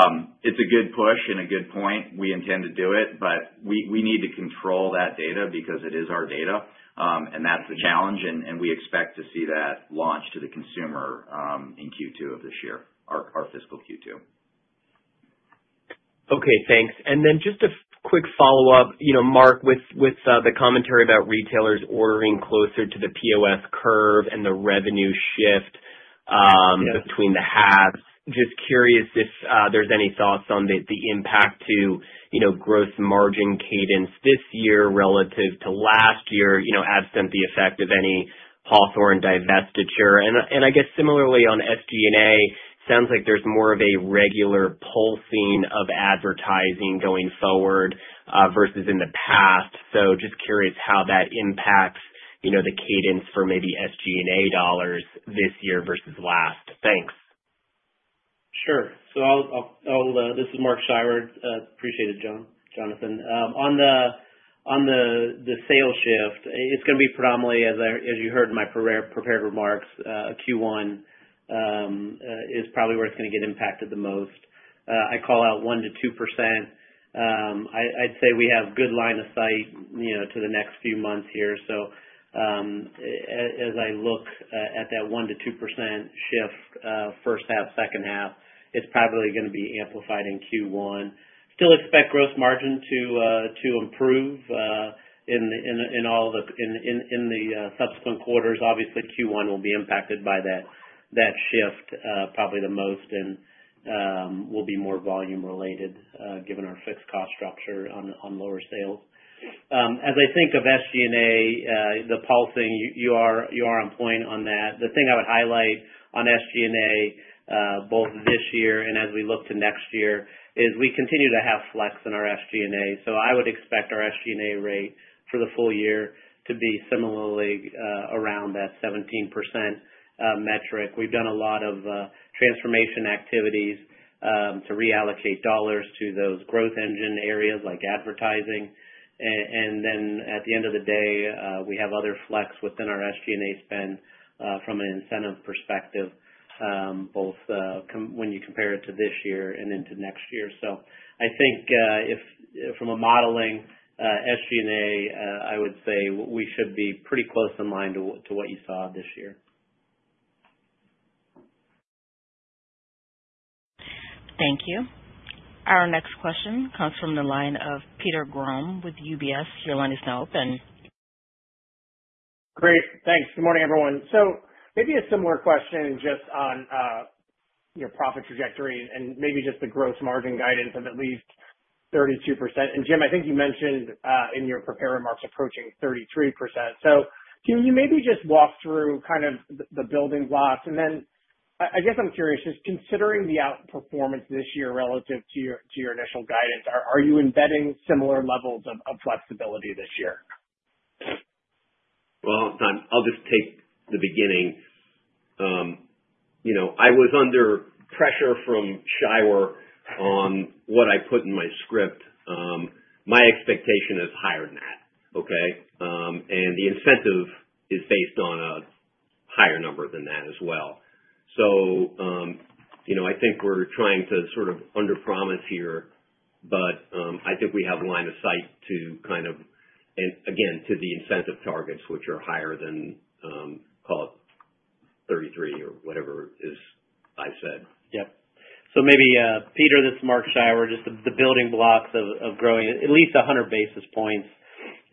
it's a good push and a good point. We intend to do it, but we need to control that data because it is our data. And that's the challenge. And we expect to see that launch to the consumer in Q2 of this year, our fiscal Q2. Okay. Thanks. And then just a quick follow-up, Mark, with the commentary about retailers ordering closer to the POS curve and the revenue shift between the halves. Just curious if there's any thoughts on the impact to gross margin cadence this year relative to last year, absent the effect of any Hawthorne divestiture. And I guess similarly on SG&A, it sounds like there's more of a regular pulsing of advertising going forward versus in the past. So just curious how that impacts the cadence for maybe SG&A dollars this year versus last. Thanks. Sure. This is Mark Scheiwer. Appreciate it, Jonathan. On the sales shift, it's going to be predominantly, as you heard in my prepared remarks, Q1 is probably where it's going to get impacted the most. I call out 1%-2%. I'd say we have good line of sight to the next few months here. So as I look at that 1%-2% shift, first half, second half, it's probably going to be amplified in Q1. Still expect gross margin to improve in all the in the subsequent quarters. Obviously, Q1 will be impacted by that shift probably the most and will be more volume-related given our fixed cost structure on lower sales. As I think of SG&A, the pulsing you are employing on that. The thing I would highlight on SG&A both this year and as we look to next year is we continue to have flex in our SG&A. So I would expect our SG&A rate for the full year to be similarly around that 17% metric. We've done a lot of transformation activities to reallocate dollars to those growth engine areas like advertising. And then at the end of the day, we have other flex within our SG&A spend from an incentive perspective, both when you compare it to this year and into next year. So I think from a modeling SG&A, I would say we should be pretty close in line to what you saw this year. Thank you. Our next question comes from the line of Peter Grom with UBS. Your line is now open. Great. Thanks. Good morning, everyone. So maybe a similar question just on your profit trajectory and maybe just the gross margin guidance of at least 32%. And Jim, I think you mentioned in your prepared remarks approaching 33%. So can you maybe just walk through kind of the building blocks? And then I guess I'm curious, just considering the outperformance this year relative to your initial guidance, are you embedding similar levels of flexibility this year? Well, I'll just take the beginning. I was under pressure from Scheiwer on what I put in my script. My expectation is higher than that, okay? And the incentive is based on a higher number than that as well. So I think we're trying to sort of under-promise here, but I think we have line of sight to kind of, and again, to the incentive targets, which are higher than call it 33% or whatever I said. Yep. So maybe Peter, this is Mark Scheiwer, just the building blocks of growing at least 100 basis points.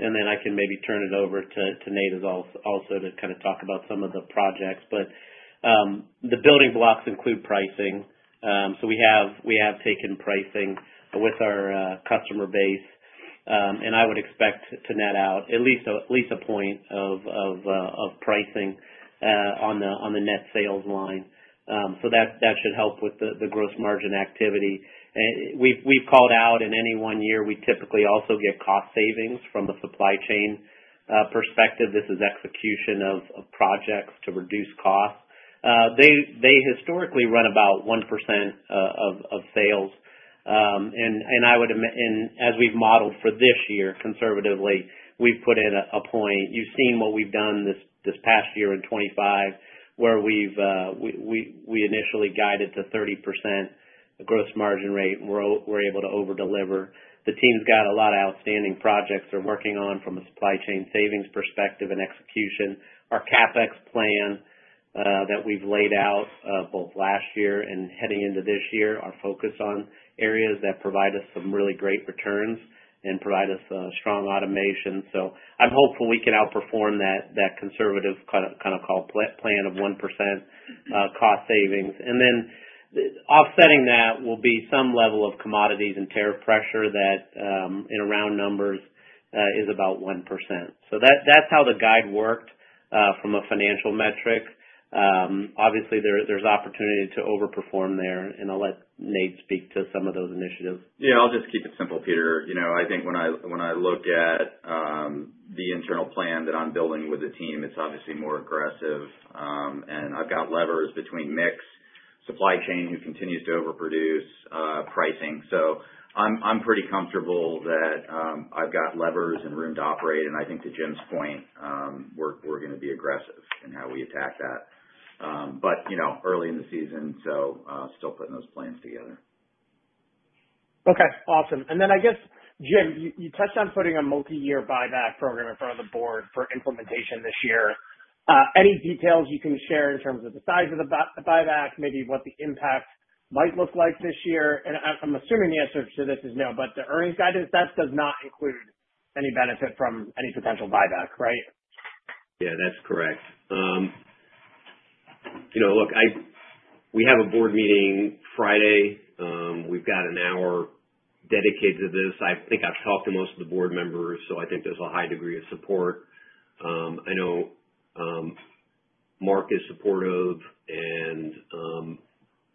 And then I can maybe turn it over to Nate also to kind of talk about some of the projects. But the building blocks include pricing. So we have taken pricing with our customer base. And I would expect to net out at least a point of pricing on the net sales line. So that should help with the gross margin activity. We've called out in any one year, we typically also get cost savings from the supply chain perspective. This is execution of projects to reduce costs. They historically run about 1% of sales. And I would, and as we've modeled for this year conservatively, we've put in a point. You've seen what we've done this past year in 2025, where we initially guided to 30% gross margin rate. We're able to overdeliver. The team's got a lot of outstanding projects they're working on from a supply chain savings perspective and execution. Our CapEx plan that we've laid out both last year and heading into this year are focused on areas that provide us some really great returns and provide us strong automation. So I'm hopeful we can outperform that conservative kind of plan of 1% cost savings. And then offsetting that will be some level of commodities and tariff pressure that in round numbers is about 1%. So that's how the guide worked from a financial metric. Obviously, there's opportunity to overperform there. And I'll let Nate speak to some of those initiatives. Yeah. I'll just keep it simple, Peter. I think when I look at the internal plan that I'm building with the team, it's obviously more aggressive. And I've got levers between mixed supply chain who continues to overproduce pricing. So I'm pretty comfortable that I've got levers and room to operate. And I think to Jim's point, we're going to be aggressive in how we attack that. But early in the season, so still putting those plans together. Okay. Awesome. And then I guess, Jim, you touched on putting a multi-year buyback program in front of the board for implementation this year. Any details you can share in terms of the size of the buyback, maybe what the impact might look like this year? And I'm assuming the answer to this is no, but the earnings guidance, that does not include any benefit from any potential buyback, right? Yeah, that's correct. Look, we have a board meeting Friday. We've got an hour dedicated to this. I think I've talked to most of the board members, so I think there's a high degree of support. I know Mark is supportive, and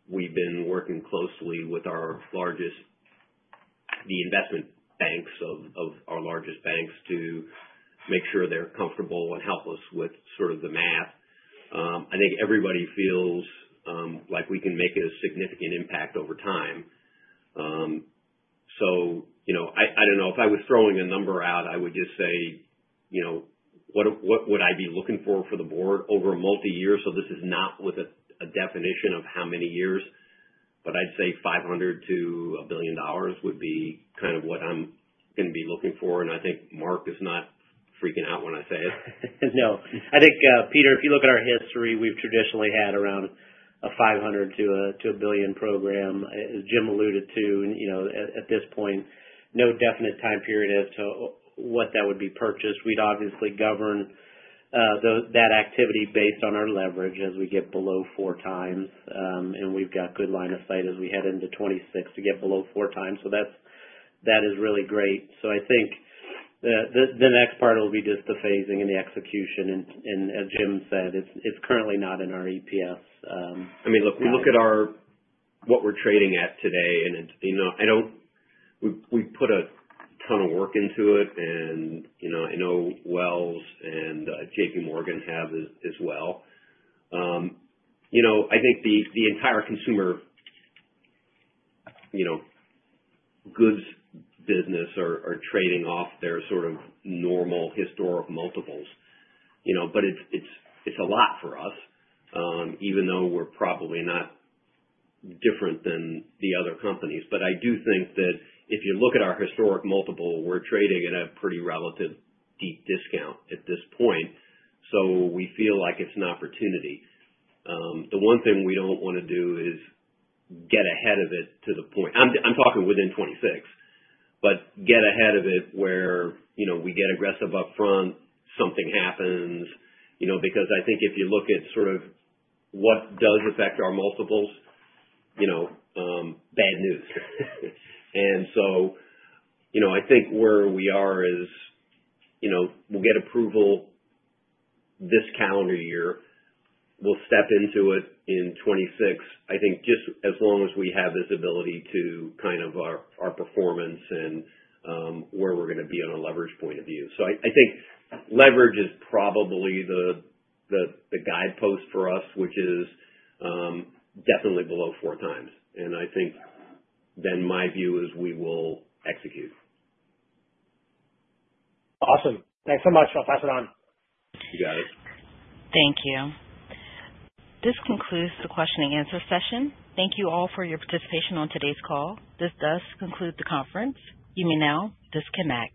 we've been working closely with the investment banks of our largest banks to make sure they're comfortable and help us with sort of the math. I think everybody feels like we can make a significant impact over time. So I don't know. If I was throwing a number out, I would just say, what would I be looking for for the board over a multi-year? So this is not with a definition of how many years, but I'd say $500 million to $1 billion would be kind of what I'm going to be looking for. And I think Mark is not freaking out when I say it. No. I think, Peter, if you look at our history, we've traditionally had around a $500 million to $1 billion program, as Jim alluded to. At this point, no definite time period as to what that would be purchased. We'd obviously govern that activity based on our leverage as we get below four times. And we've got good line of sight as we head into 2026 to get below four times. So that is really great. So I think the next part will be just the phasing and the execution. And as Jim said, it's currently not in our EPS. I mean, look, we look at what we're trading at today. And I know we put a ton of work into it. And I know Wells Fargo and JPMorgan have as well. I think the entire consumer goods business are trading off their sort of normal historic multiples. But it's a lot for us, even though we're probably not different than the other companies. But I do think that if you look at our historic multiple, we're trading at a pretty relative deep discount at this point. So we feel like it's an opportunity. The one thing we don't want to do is get ahead of it to the point I'm talking within 2026, but get ahead of it where we get aggressive upfront, something happens. Because I think if you look at sort of what does affect our multiples, bad news. And so I think where we are is we'll get approval this calendar year. We'll step into it in 2026, I think, just as long as we have visibility to kind of our performance and where we're going to be on a leverage point of view. So, I think leverage is probably the guidepost for us, which is definitely below four times. And I think then my view is we will execute. Awesome. Thanks so much. I'll pass it on. You got it. Thank you. This concludes the question and answer session. Thank you all for your participation on today's call. This does conclude the conference. You may now disconnect.